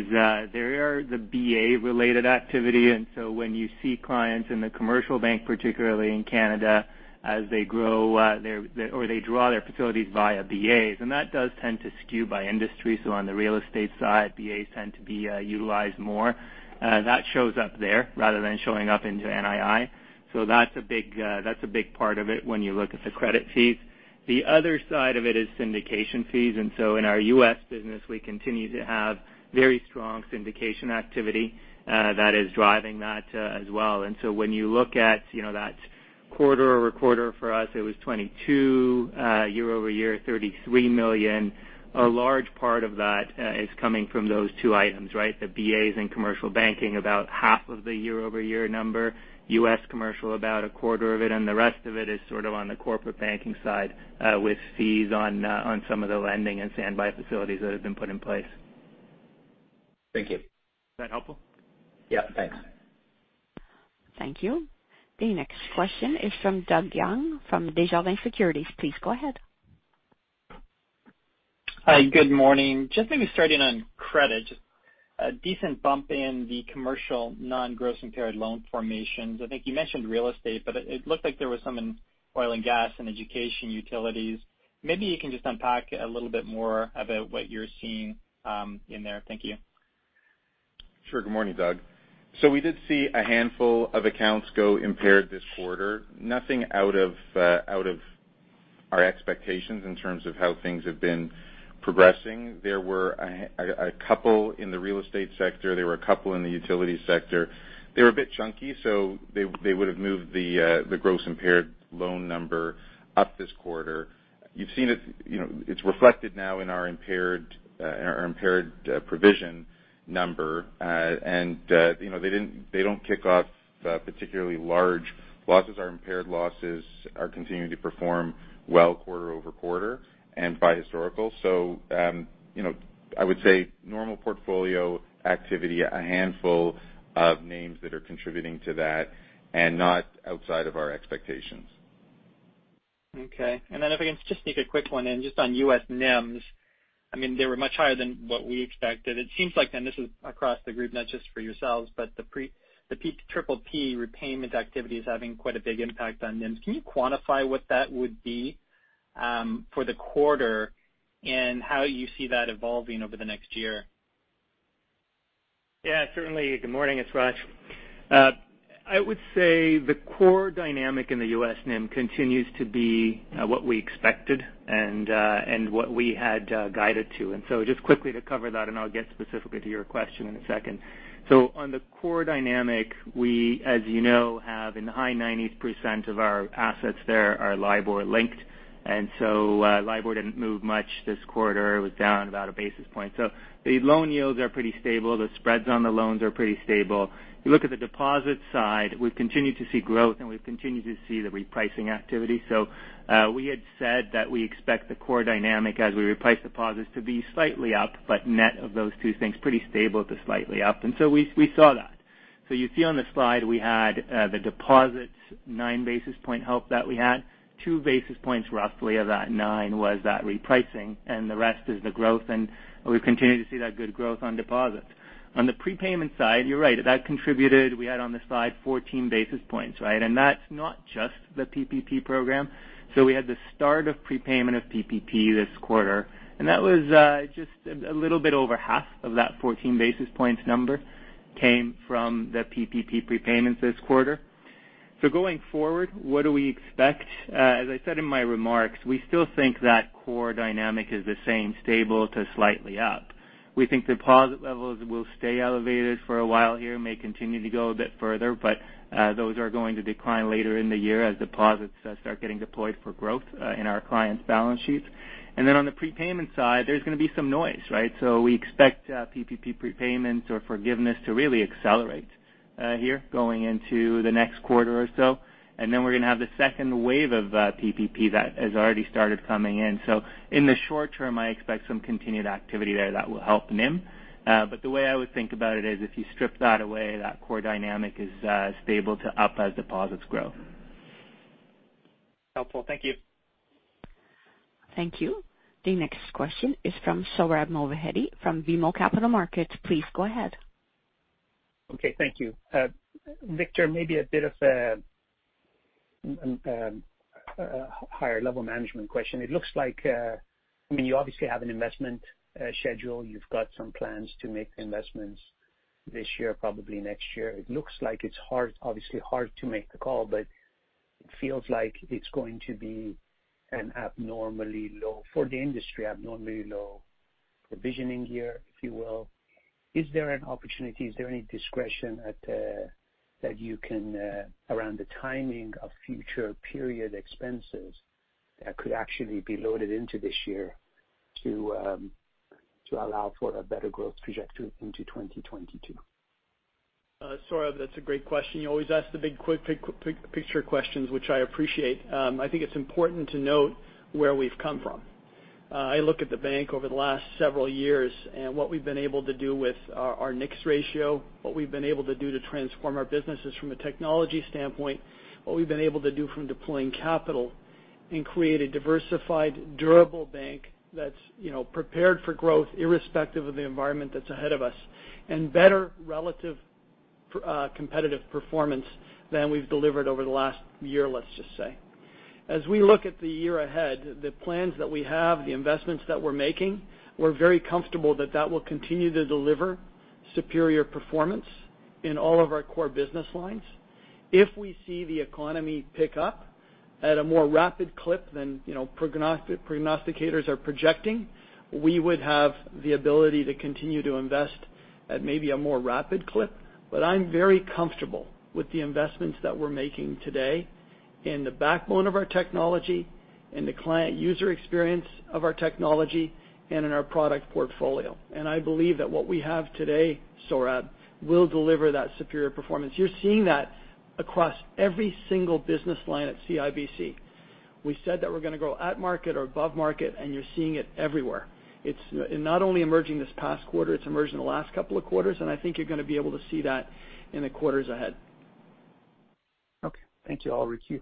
the BA-related activity. When you see clients in the commercial bank, particularly in Canada, as they grow or they draw their facilities via BAs, that does tend to skew by industry. On the real estate side, BAs tend to be utilized more. That shows up there rather than showing up into NII. That is a big part of it when you look at the credit fees. The other side of it is syndication fees. In our U.S. business, we continue to have very strong syndication activity that is driving that as well. When you look at that quarter over quarter, for us, it was 22 year over year, $33 million. A large part of that is coming from those two items, right? The BAs in Commercial Banking, about half of the year over year number. U.S. commercial, about a quarter of it. The rest of it is sort of on the Corporate Banking side with fees on some of the lending and standby facilities that have been put in place.
Thank you.
Is that helpful?
Yeah. Thanks.
Thank you. The next question is from Doug Young from Desjardins Capital Markets. Please go ahead.
Hi, good morning. Just maybe starting on credit, just a decent bump in the commercial non-gross impaired loan formations. I think you mentioned real estate, but it looked like there was some in oil and gas and education utilities. Maybe you can just unpack a little bit more about what you're seeing in there. Thank you.
Sure. Good morning, Doug. We did see a handful of accounts go impaired this quarter. Nothing out of our expectations in terms of how things have been progressing. There were a couple in the real estate sector. There were a couple in the utility sector. They were a bit chunky, so they would have moved the gross impaired loan number up this quarter. You have seen it. It is reflected now in our impaired provision number. They do not kick off particularly large losses. Our impaired losses are continuing to perform well quarter over quarter and by historical. I would say normal portfolio activity, a handful of names that are contributing to that and not outside of our expectations.
Okay. If I can just sneak a quick one in, just on U.S. NIMs, I mean, they were much higher than what we expected. It seems like, and this is across the group, not just for yourselves, but the PPP repayment activity is having quite a big impact on NIMs. Can you quantify what that would be for the quarter and how you see that evolving over the next year?
Yeah. Certainly. Good morning, it's Hratch. I would say the core dynamic in the U.S. NIM continues to be what we expected and what we had guided to. Just quickly to cover that, I'll get specifically to your question in a second. On the core dynamic, we, as you know, have in the high 90% of our assets there, our Libor linked. Libor did not move much this quarter. It was down about a basis point. The loan yields are pretty stable. The spreads on the loans are pretty stable. You look at the deposit side, we've continued to see growth, and we've continued to see the repricing activity. We had said that we expect the core dynamic as we reprice deposits to be slightly up, but net of those two things, pretty stable to slightly up. We saw that. You see on the slide, we had the deposits 9 bp help that we had. 2 bps roughly of that nine was that repricing, and the rest is the growth. We have continued to see that good growth on deposits. On the prepayment side, you are right. That contributed. We had on the slide 14 bps, right? That is not just the PPP program. We had the start of prepayment of PPP this quarter. That was just a little bit over half of that 14 bps number came from the PPP prepayments this quarter. Going forward, what do we expect? As I said in my remarks, we still think that core dynamic is the same, stable to slightly up. We think deposit levels will stay elevated for a while here, may continue to go a bit further, but those are going to decline later in the year as deposits start getting deployed for growth in our clients' balance sheets. On the prepayment side, there is going to be some noise, right? We expect PPP repayments or forgiveness to really accelerate here going into the next quarter or so. We are going to have the second wave of PPP that has already started coming in. In the short term, I expect some continued activity there that will help NIM. The way I would think about it is if you strip that away, that core dynamic is stable to up as deposits grow.
Helpful. Thank you.
Thank you. The next question is from Sohrab Movahedi from BMO Capital Markets. Please go ahead.
Okay. Thank you. Harry Culham, maybe a bit of a higher-level management question. It looks like, I mean, you obviously have an investment schedule. You've got some plans to make investments this year, probably next year. It looks like it's obviously hard to make the call, but it feels like it's going to be an abnormally low, for the industry, abnormally low provisioning year, if you will. Is there an opportunity? Is there any discretion that you can, around the timing of future period expenses, that could actually be loaded into this year to allow for a better growth trajectory into 2022?
Sohrab Movahedi, that's a great question. You always ask the big picture questions, which I appreciate. I think it's important to note where we've come from. I look at the bank over the last several years and what we've been able to do with our NIX ratio, what we've been able to do to transform our businesses from a technology standpoint, what we've been able to do from deploying capital and create a diversified, durable bank that's prepared for growth irrespective of the environment that's ahead of us and better relative competitive performance than we've delivered over the last year, let's just say. As we look at the year ahead, the plans that we have, the investments that we're making, we're very comfortable that that will continue to deliver superior performance in all of our core business lines. If we see the economy pick up at a more rapid clip than prognosticators are projecting, we would have the ability to continue to invest at maybe a more rapid clip. I am very comfortable with the investments that we are making today in the backbone of our technology, in the client user experience of our technology, and in our product portfolio. I believe that what we have today, Sohrab Movahedi, will deliver that superior performance. You are seeing that across every single business line at CIBC. We said that we are going to grow at market or above market, and you are seeing it everywhere. It is not only emerging this past quarter. It has emerged in the last couple of quarters. I think you are going to be able to see that in the quarters ahead.
Okay. Thank you all. Riku.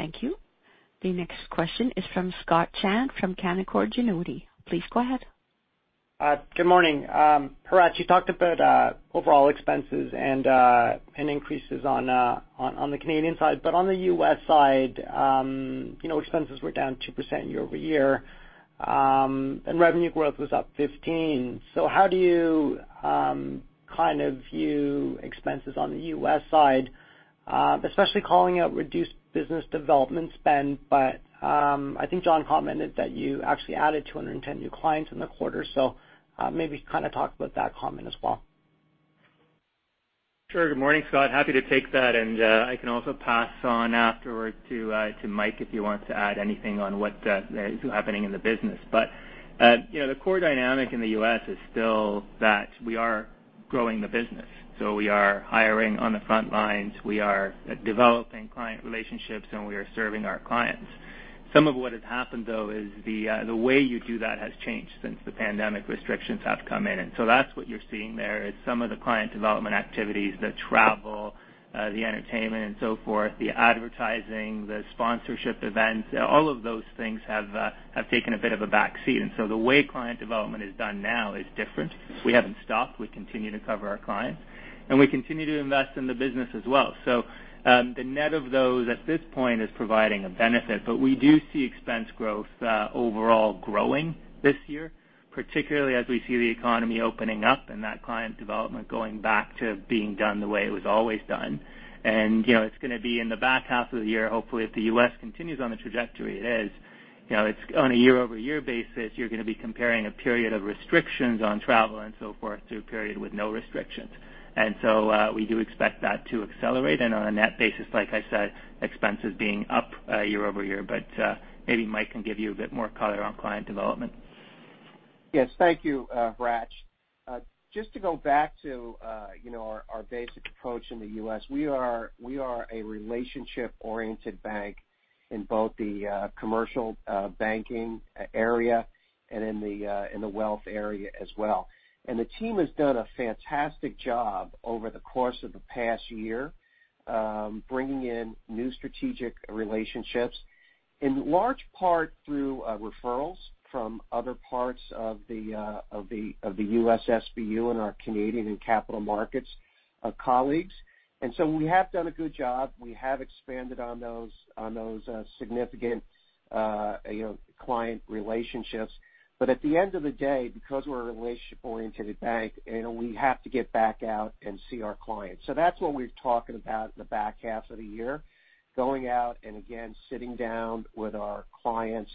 Thank you. The next question is from Scott Chan from Canaccord Genuity. Please go ahead.
Good morning. Hratch, you talked about overall expenses and increases on the Canadian side. On the U.S. side, expenses were down 2% year over year, and revenue growth was up 15%. How do you kind of view expenses on the U.S. side, especially calling out reduced business development spend? I think Jon commented that you actually added 210 new clients in the quarter. Maybe kind of talk about that comment as well.
Sure. Good morning, Scott. Happy to take that. I can also pass on afterward to Mike if you want to add anything on what is happening in the business. The core dynamic in the U.S. is still that we are growing the business. We are hiring on the front lines. We are developing client relationships, and we are serving our clients. Some of what has happened, though, is the way you do that has changed since the pandemic restrictions have come in. What you are seeing there is some of the client development activities, the travel, the entertainment, the advertising, the sponsorship events. All of those things have taken a bit of a backseat. The way client development is done now is different. We have not stopped. We continue to cover our clients. We continue to invest in the business as well. The net of those at this point is providing a benefit. We do see expense growth overall growing this year, particularly as we see the economy opening up and that client development going back to being done the way it was always done. It is going to be in the back half of the year, hopefully, if the U.S. continues on the trajectory it is. It is on a year-over-year basis. You are going to be comparing a period of restrictions on travel and so forth to a period with no restrictions. We do expect that to accelerate. On a net basis, like I said, expenses being up year over year. Maybe Mike can give you a bit more color on client development.
Yes. Thank you, Hratch. Just to go back to our basic approach in the U.S., we are a relationship-oriented bank in both the commercial banking area and in the wealth area as well. The team has done a fantastic job over the course of the past year bringing in new strategic relationships in large part through referrals from other parts of the U.S. SBU and our Canadian and Capital Markets colleagues. We have done a good job. We have expanded on those significant client relationships. At the end of the day, because we're a relationship-oriented bank, we have to get back out and see our clients. That is what we're talking about in the back half of the year, going out and, again, sitting down with our clients,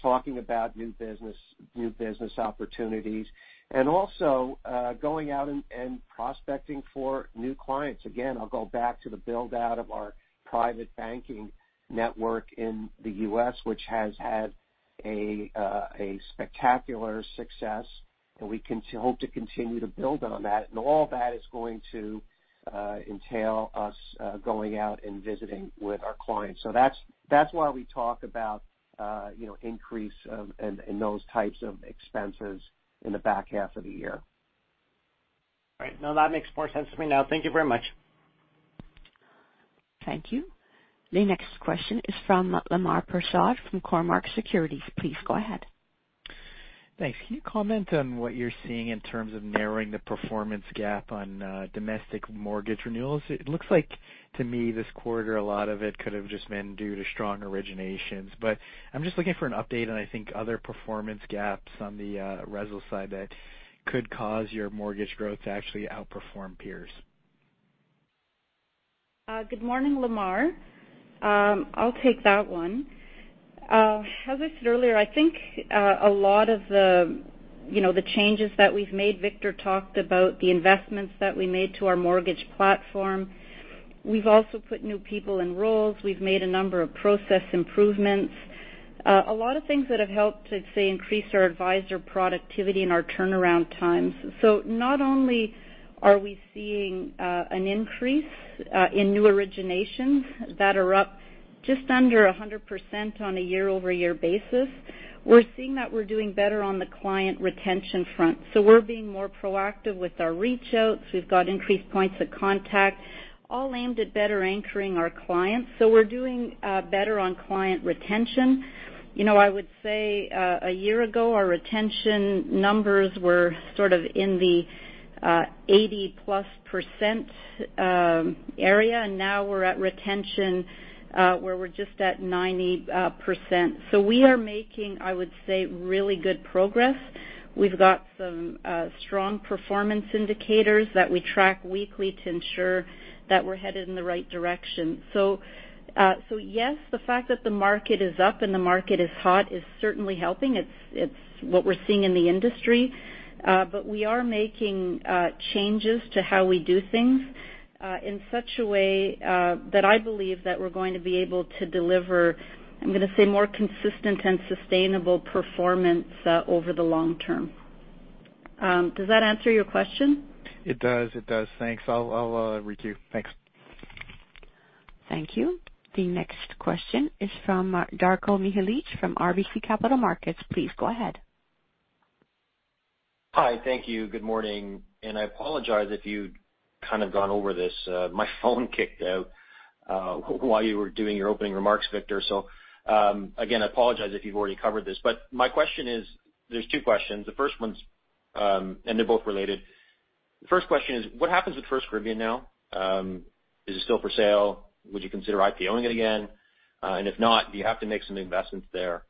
talking about new business opportunities, and also going out and prospecting for new clients. I'll go back to the build-out of our private banking network in the U.S., which has had a spectacular success. We hope to continue to build on that. All that is going to entail us going out and visiting with our clients. That is why we talk about increase in those types of expenses in the back half of the year.
All right. No, that makes more sense to me now. Thank you very much.
Thank you. The next question is from Lemar Persaud from Cormark Securities. Please go ahead.
Thanks. Can you comment on what you're seeing in terms of narrowing the performance gap on domestic mortgage renewals? It looks like, to me, this quarter, a lot of it could have just been due to strong originations. I am just looking for an update, and I think other performance gaps on the RESL side that could cause your mortgage growth to actually outperform peers.
Good morning, Lemar. I'll take that one. As I said earlier, I think a lot of the changes that we've made, Harry Culham talked about the investments that we made to our mortgage platform. We've also put new people in roles. We've made a number of process improvements, a lot of things that have helped, I'd say, increase our advisor productivity and our turnaround times. Not only are we seeing an increase in new originations that are up just under 100% on a year-over-year basis, we're seeing that we're doing better on the client retention front. We're being more proactive with our reach-outs. We've got increased points of contact, all aimed at better anchoring our clients. We're doing better on client retention. I would say a year ago, our retention numbers were sort of in the 80+% area. We are at retention where we are just at 90%. We are making, I would say, really good progress. We have some strong performance indicators that we track weekly to ensure that we are headed in the right direction. Yes, the fact that the market is up and the market is hot is certainly helping. It is what we are seeing in the industry. We are making changes to how we do things in such a way that I believe we are going to be able to deliver, I am going to say, more consistent and sustainable performance over the long term. Does that answer your question?
It does. It does. Thanks. I read you. Thanks.
Thank you. The next question is from Darko Mihelic from RBC Capital Markets. Please go ahead.
Hi. Thank you. Good morning. I apologize if you've kind of gone over this. My phone kicked out while you were doing your opening remarks, Harry Culham. I apologize if you've already covered this. My question is, there's two questions. The first one's and they're both related. The first question is, what happens with FirstCaribbean now? Is it still for sale? Would you consider IPOing it again? If not, do you have to make some investments there?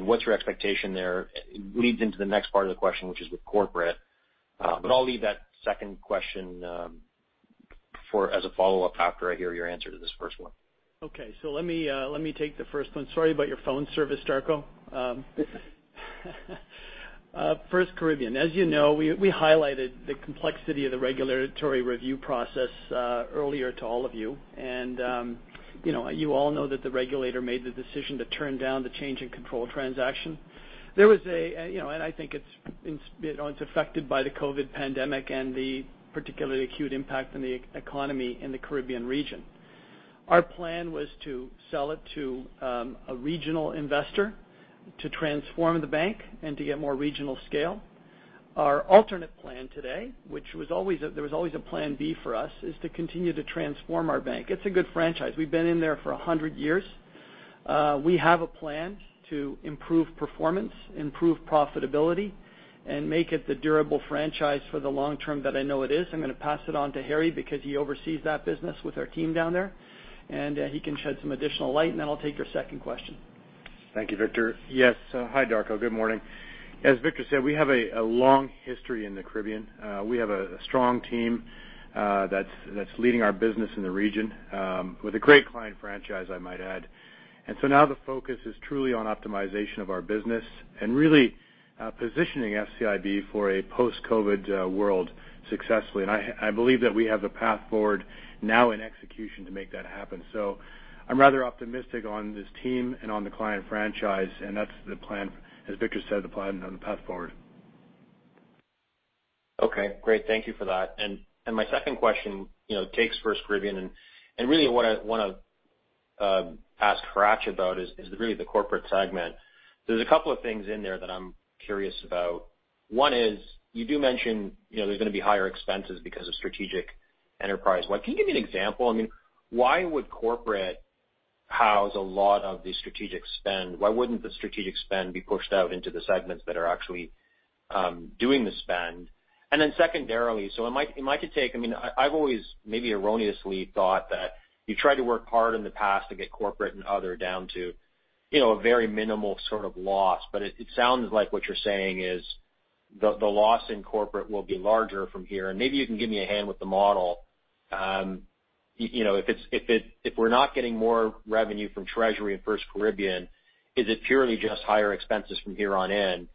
What's your expectation there? It leads into the next part of the question, which is with corporate. I'll leave that second question as a follow-up after I hear your answer to this first one.
Okay. Let me take the first one. Sorry about your phone service, Darko. FirstCaribbean. As you know, we highlighted the complexity of the regulatory review process earlier to all of you. You all know that the regulator made the decision to turn down the change in control transaction. There was a, and I think it's affected by the COVID pandemic and the particularly acute impact on the economy in the Caribbean region. Our plan was to sell it to a regional investor to transform the bank and to get more regional scale. Our alternate plan today, which was always a, there was always a plan B for us, is to continue to transform our bank. It's a good franchise. We've been in there for 100 years. We have a plan to improve performance, improve profitability, and make it the durable franchise for the long term that I know it is. I am going to pass it on to Harry because he oversees that business with our team down there. He can shed some additional light. I will take your second question.
Thank you, Harry Culham.
Yes. Hi, Darko. Good morning. As Harry Culham said, we have a long history in the Caribbean. We have a strong team that's leading our business in the region with a great client franchise, I might add. The focus is truly on optimization of our business and really positioning FCIB for a post-COVID world successfully. I believe that we have the path forward now in execution to make that happen. I am rather optimistic on this team and on the client franchise. That is the plan, as Harry Culham said, the plan on the path forward.
Okay. Great. Thank you for that. My second question takes FirstCaribbean. What I want to ask Hratch about is really the corporate segment. There are a couple of things in there that I'm curious about. One is you do mention there's going to be higher expenses because of strategic enterprise. Can you give me an example? I mean, why would corporate house a lot of the strategic spend? Why wouldn't the strategic spend be pushed out into the segments that are actually doing the spend? Secondarily, it might take—I mean, I've always maybe erroneously thought that you tried to work hard in the past to get corporate and other down to a very minimal sort of loss. It sounds like what you're saying is the loss in corporate will be larger from here. Maybe you can give me a hand with the model. If we're not getting more revenue from Treasury and FirstCaribbean, is it purely just higher expenses from here on in?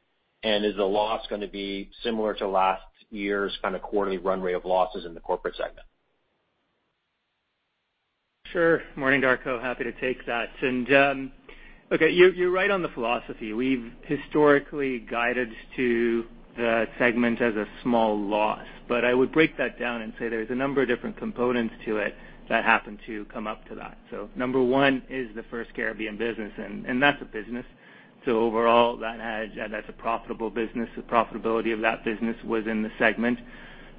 Is the loss going to be similar to last year's kind of quarterly run rate of losses in the corporate segment?
Sure. Morning, Darko. Happy to take that. You're right on the philosophy. We've historically guided to the segment as a small loss. I would break that down and say there's a number of different components to it that happen to come up to that. Number one is the FirstCaribbean business. That's a business. Overall, that's a profitable business. The profitability of that business was in the segment.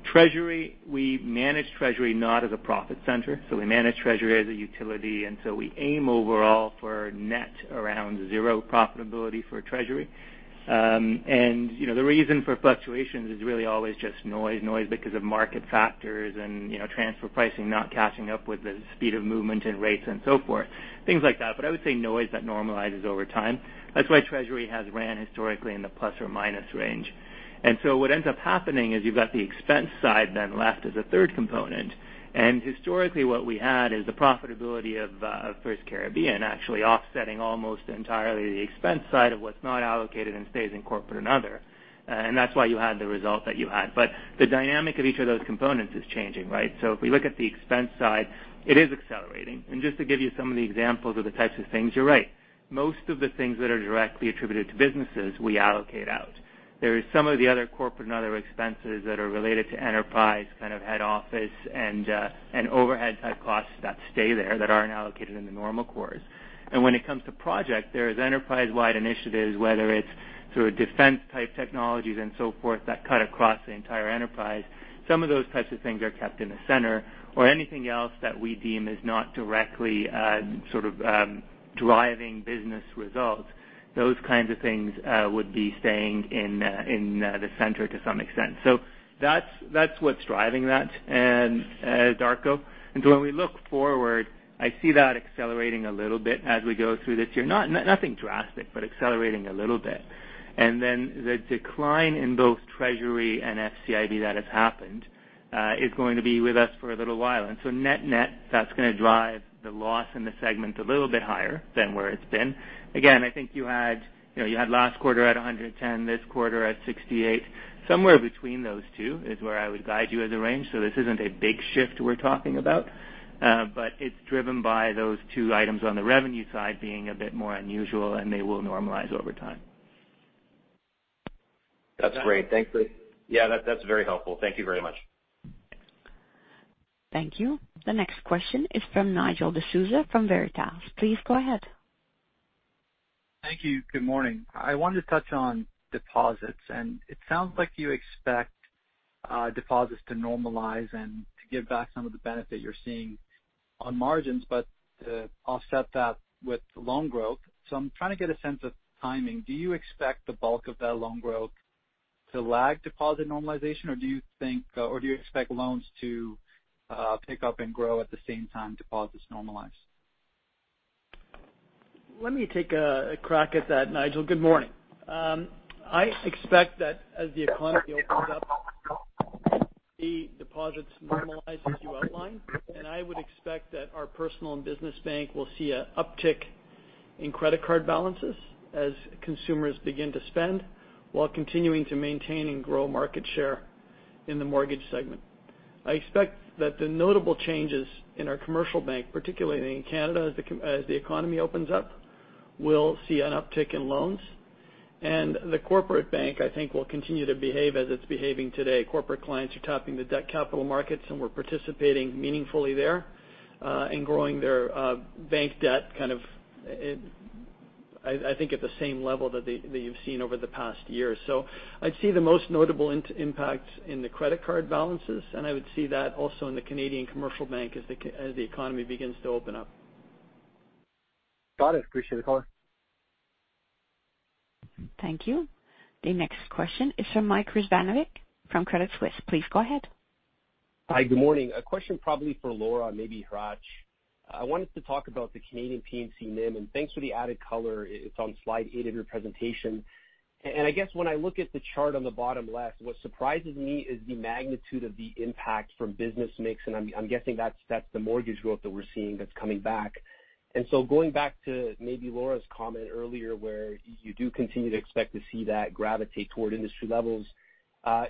Treasury, we manage Treasury not as a profit center. We manage Treasury as a utility. We aim overall for net around zero profitability for Treasury. The reason for fluctuations is really always just noise, noise because of market factors and transfer pricing not catching up with the speed of movement in rates and so forth, things like that. I would say noise that normalizes over time. That's why Treasury has ran historically in the plus or minus range. What ends up happening is you've got the expense side then left as a third component. Historically, what we had is the profitability of FirstCaribbean actually offsetting almost entirely the expense side of what's not allocated and stays in Corporate and Other. That's why you had the result that you had. The dynamic of each of those components is changing, right? If we look at the expense side, it is accelerating. Just to give you some of the examples of the types of things, you're right. Most of the things that are directly attributed to businesses, we allocate out. There is some of the other corporate and other expenses that are related to enterprise kind of head office and overhead-type costs that stay there that are not allocated in the normal cores. When it comes to project, there is enterprise-wide initiatives, whether it is through defense-type technologies and so forth that cut across the entire enterprise. Some of those types of things are kept in the center. Anything else that we deem is not directly sort of driving business results, those kinds of things would be staying in the center to some extent. That is what is driving that, Darko. When we look forward, I see that accelerating a little bit as we go through this year. Nothing drastic, but accelerating a little bit. The decline in both Treasury and CIBC FirstCaribbean International Bank that has happened is going to be with us for a little while. Net-net, that's going to drive the loss in the segment a little bit higher than where it's been. Again, I think you had last quarter at $110 million, this quarter at $68 million. Somewhere between those two is where I would guide you as a range. This is not a big shift we're talking about. It is driven by those two items on the revenue side being a bit more unusual, and they will normalize over time.
That's great. Thank you. Yeah, that's very helpful. Thank you very much.
Thank you. The next question is from Nigel D'Souza from Veritas. Please go ahead.
Thank you. Good morning. I wanted to touch on deposits. It sounds like you expect deposits to normalize and to give back some of the benefit you're seeing on margins. I will set that with loan growth. I am trying to get a sense of timing. Do you expect the bulk of that loan growth to lag deposit normalization? Do you think or do you expect loans to pick up and grow at the same time deposits normalize?
Let me take a crack at that, Nigel. Good morning. I expect that as the economy opens up, the deposits normalize as you outlined. I would expect that our personal and business bank will see an uptick in credit card balances as consumers begin to spend while continuing to maintain and grow market share in the mortgage segment. I expect that the notable changes in our commercial bank, particularly in Canada, as the economy opens up, will see an uptick in loans. The corporate bank, I think, will continue to behave as it's behaving today. Corporate clients are tapping the debt capital markets, and we're participating meaningfully there and growing their bank debt kind of, I think, at the same level that you've seen over the past year. I see the most notable impacts in the credit card balances. I would see that also in the Canadian commercial bank as the economy begins to open up.
Got it. Appreciate it, Hratch.
Thank you. The next question is from Mike Rizvanovic from Credit Suisse. Please go ahead.
Hi. Good morning. A question probably for Laura and maybe Hratch. I wanted to talk about the Canadian P&C NIM. Thanks for the added color. It is on slide eight of your presentation. I guess when I look at the chart on the bottom left, what surprises me is the magnitude of the impact from business mix. I am guessing that is the mortgage growth that we are seeing that is coming back. Going back to maybe Laura's comment earlier where you do continue to expect to see that gravitate toward industry levels,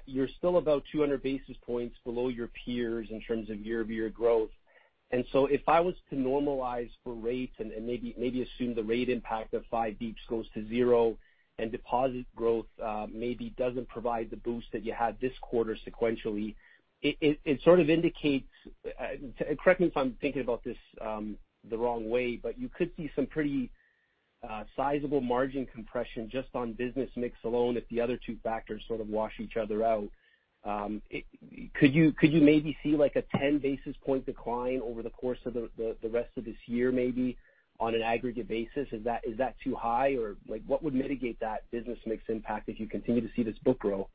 you are still about 200 bps below your peers in terms of year-over-year growth. If I was to normalize for rates and maybe assume the rate impact of 5 bps goes to zero and deposit growth maybe does not provide the boost that you had this quarter sequentially, it sort of indicates—correct me if I am thinking about this the wrong way—but you could see some pretty sizable margin compression just on business mix alone if the other two factors sort of wash each other out. Could you maybe see a 10-basis-point decline over the course of the rest of this year maybe on an aggregate basis? Is that too high? What would mitigate that business mix impact if you continue to see this book grow?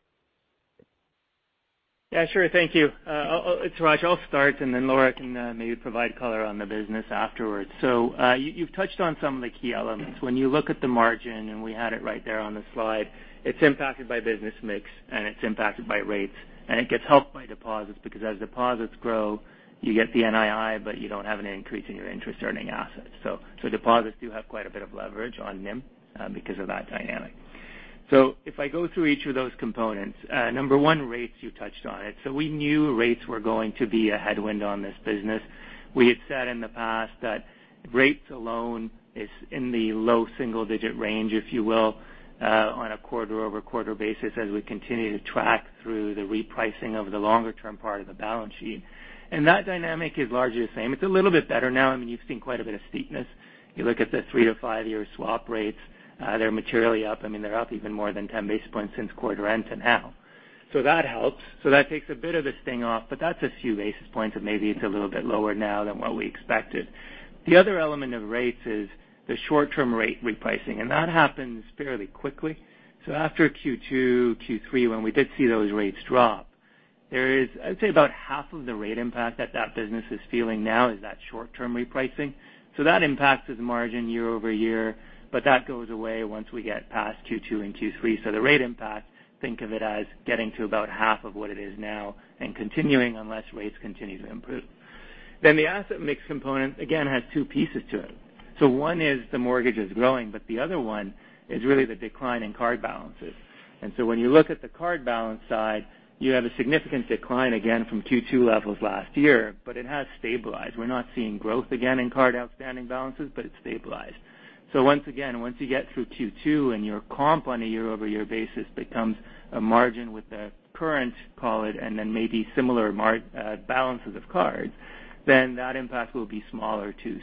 Yeah, sure. Thank you. It's Hratch I'll start. Then Laura can maybe provide color on the business afterwards. You have touched on some of the key elements. When you look at the margin, and we had it right there on the slide, it is impacted by business mix, and it is impacted by rates. It gets helped by deposits because as deposits grow, you get the NII, but you do not have an increase in your interest-earning assets. Deposits do have quite a bit of leverage on NIM because of that dynamic. If I go through each of those components, number one, rates, you touched on it. We knew rates were going to be a headwind on this business. We had said in the past that rates alone is in the low single-digit range, if you will, on a quarter-over-quarter basis as we continue to track through the repricing of the longer-term part of the balance sheet. That dynamic is largely the same. It's a little bit better now. I mean, you've seen quite a bit of steepness. You look at the three-to-five-year swap rates, they're materially up. I mean, they're up even more than 10 bps since quarter end to now. That helps. That takes a bit of the sting off. That's a few basis points of maybe it's a little bit lower now than what we expected. The other element of rates is the short-term rate repricing. That happens fairly quickly. After Q2, Q3, when we did see those rates drop, there is, I'd say, about half of the rate impact that that business is feeling now is that short-term repricing. That impacts the margin year-over-year. That goes away once we get past Q2 and Q3. The rate impact, think of it as getting to about half of what it is now and continuing unless rates continue to improve. The asset mix component, again, has two pieces to it. One is the mortgage is growing, but the other one is really the decline in card balances. When you look at the card balance side, you have a significant decline again from Q2 levels last year, but it has stabilized. We're not seeing growth again in card outstanding balances, but it's stabilized. Once you get through Q2 and your comp on a year-over-year basis becomes a margin with the current, call it, and then maybe similar balances of cards, then that impact will be smaller too.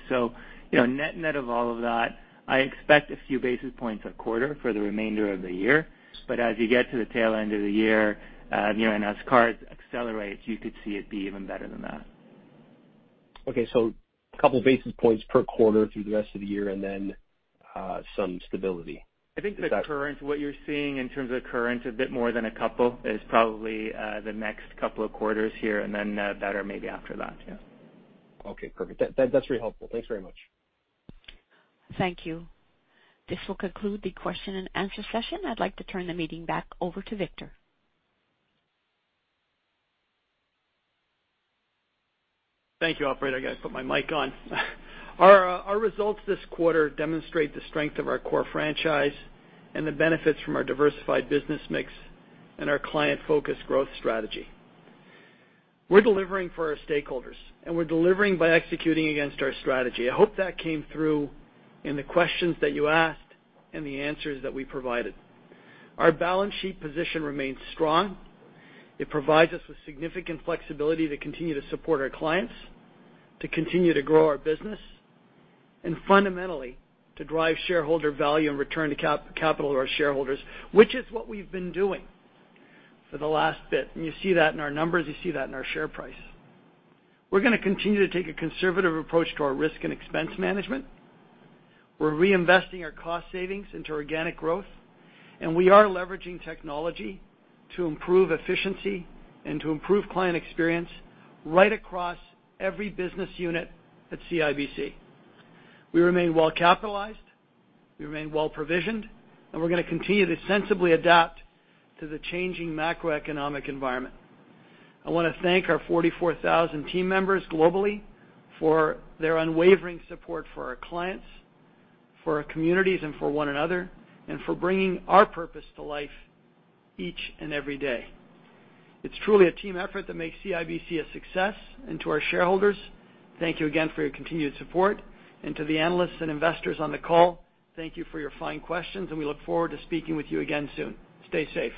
Net-net of all of that, I expect a few basis points a quarter for the remainder of the year. As you get to the tail end of the year and as cards accelerate, you could see it be even better than that.
Okay. So a couple of basis points per quarter through the rest of the year and then some stability. Is that?
I think the current, what you're seeing in terms of the current, a bit more than a couple is probably the next couple of quarters here and then better maybe after that. Yeah.
Okay. Perfect. That's really helpful. Thanks very much.
Thank you. This will conclude the question-and-answer session. I'd like to turn the meeting back over to Harry Culham.
Thank you, Operator. I got to put my mic on. Our results this quarter demonstrate the strength of our core franchise and the benefits from our diversified business mix and our client-focused growth strategy. We're delivering for our stakeholders, and we're delivering by executing against our strategy. I hope that came through in the questions that you asked and the answers that we provided. Our balance sheet position remains strong. It provides us with significant flexibility to continue to support our clients, to continue to grow our business, and fundamentally to drive shareholder value and return to capital to our shareholders, which is what we've been doing for the last bit. You see that in our numbers. You see that in our share price. We're going to continue to take a conservative approach to our risk and expense management. We're reinvesting our cost savings into organic growth. We are leveraging technology to improve efficiency and to improve client experience right across every business unit at CIBC. We remain well-capitalized. We remain well-provisioned. We are going to continue to sensibly adapt to the changing macroeconomic environment. I want to thank our 44,000 team members globally for their unwavering support for our clients, for our communities, and for one another, and for bringing our purpose to life each and every day. It is truly a team effort that makes CIBC a success. To our shareholders, thank you again for your continued support. To the analysts and investors on the call, thank you for your fine questions. We look forward to speaking with you again soon. Stay safe.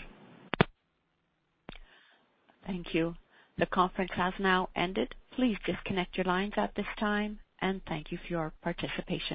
Thank you. The conference has now ended. Please disconnect your lines at this time. Thank you for your participation.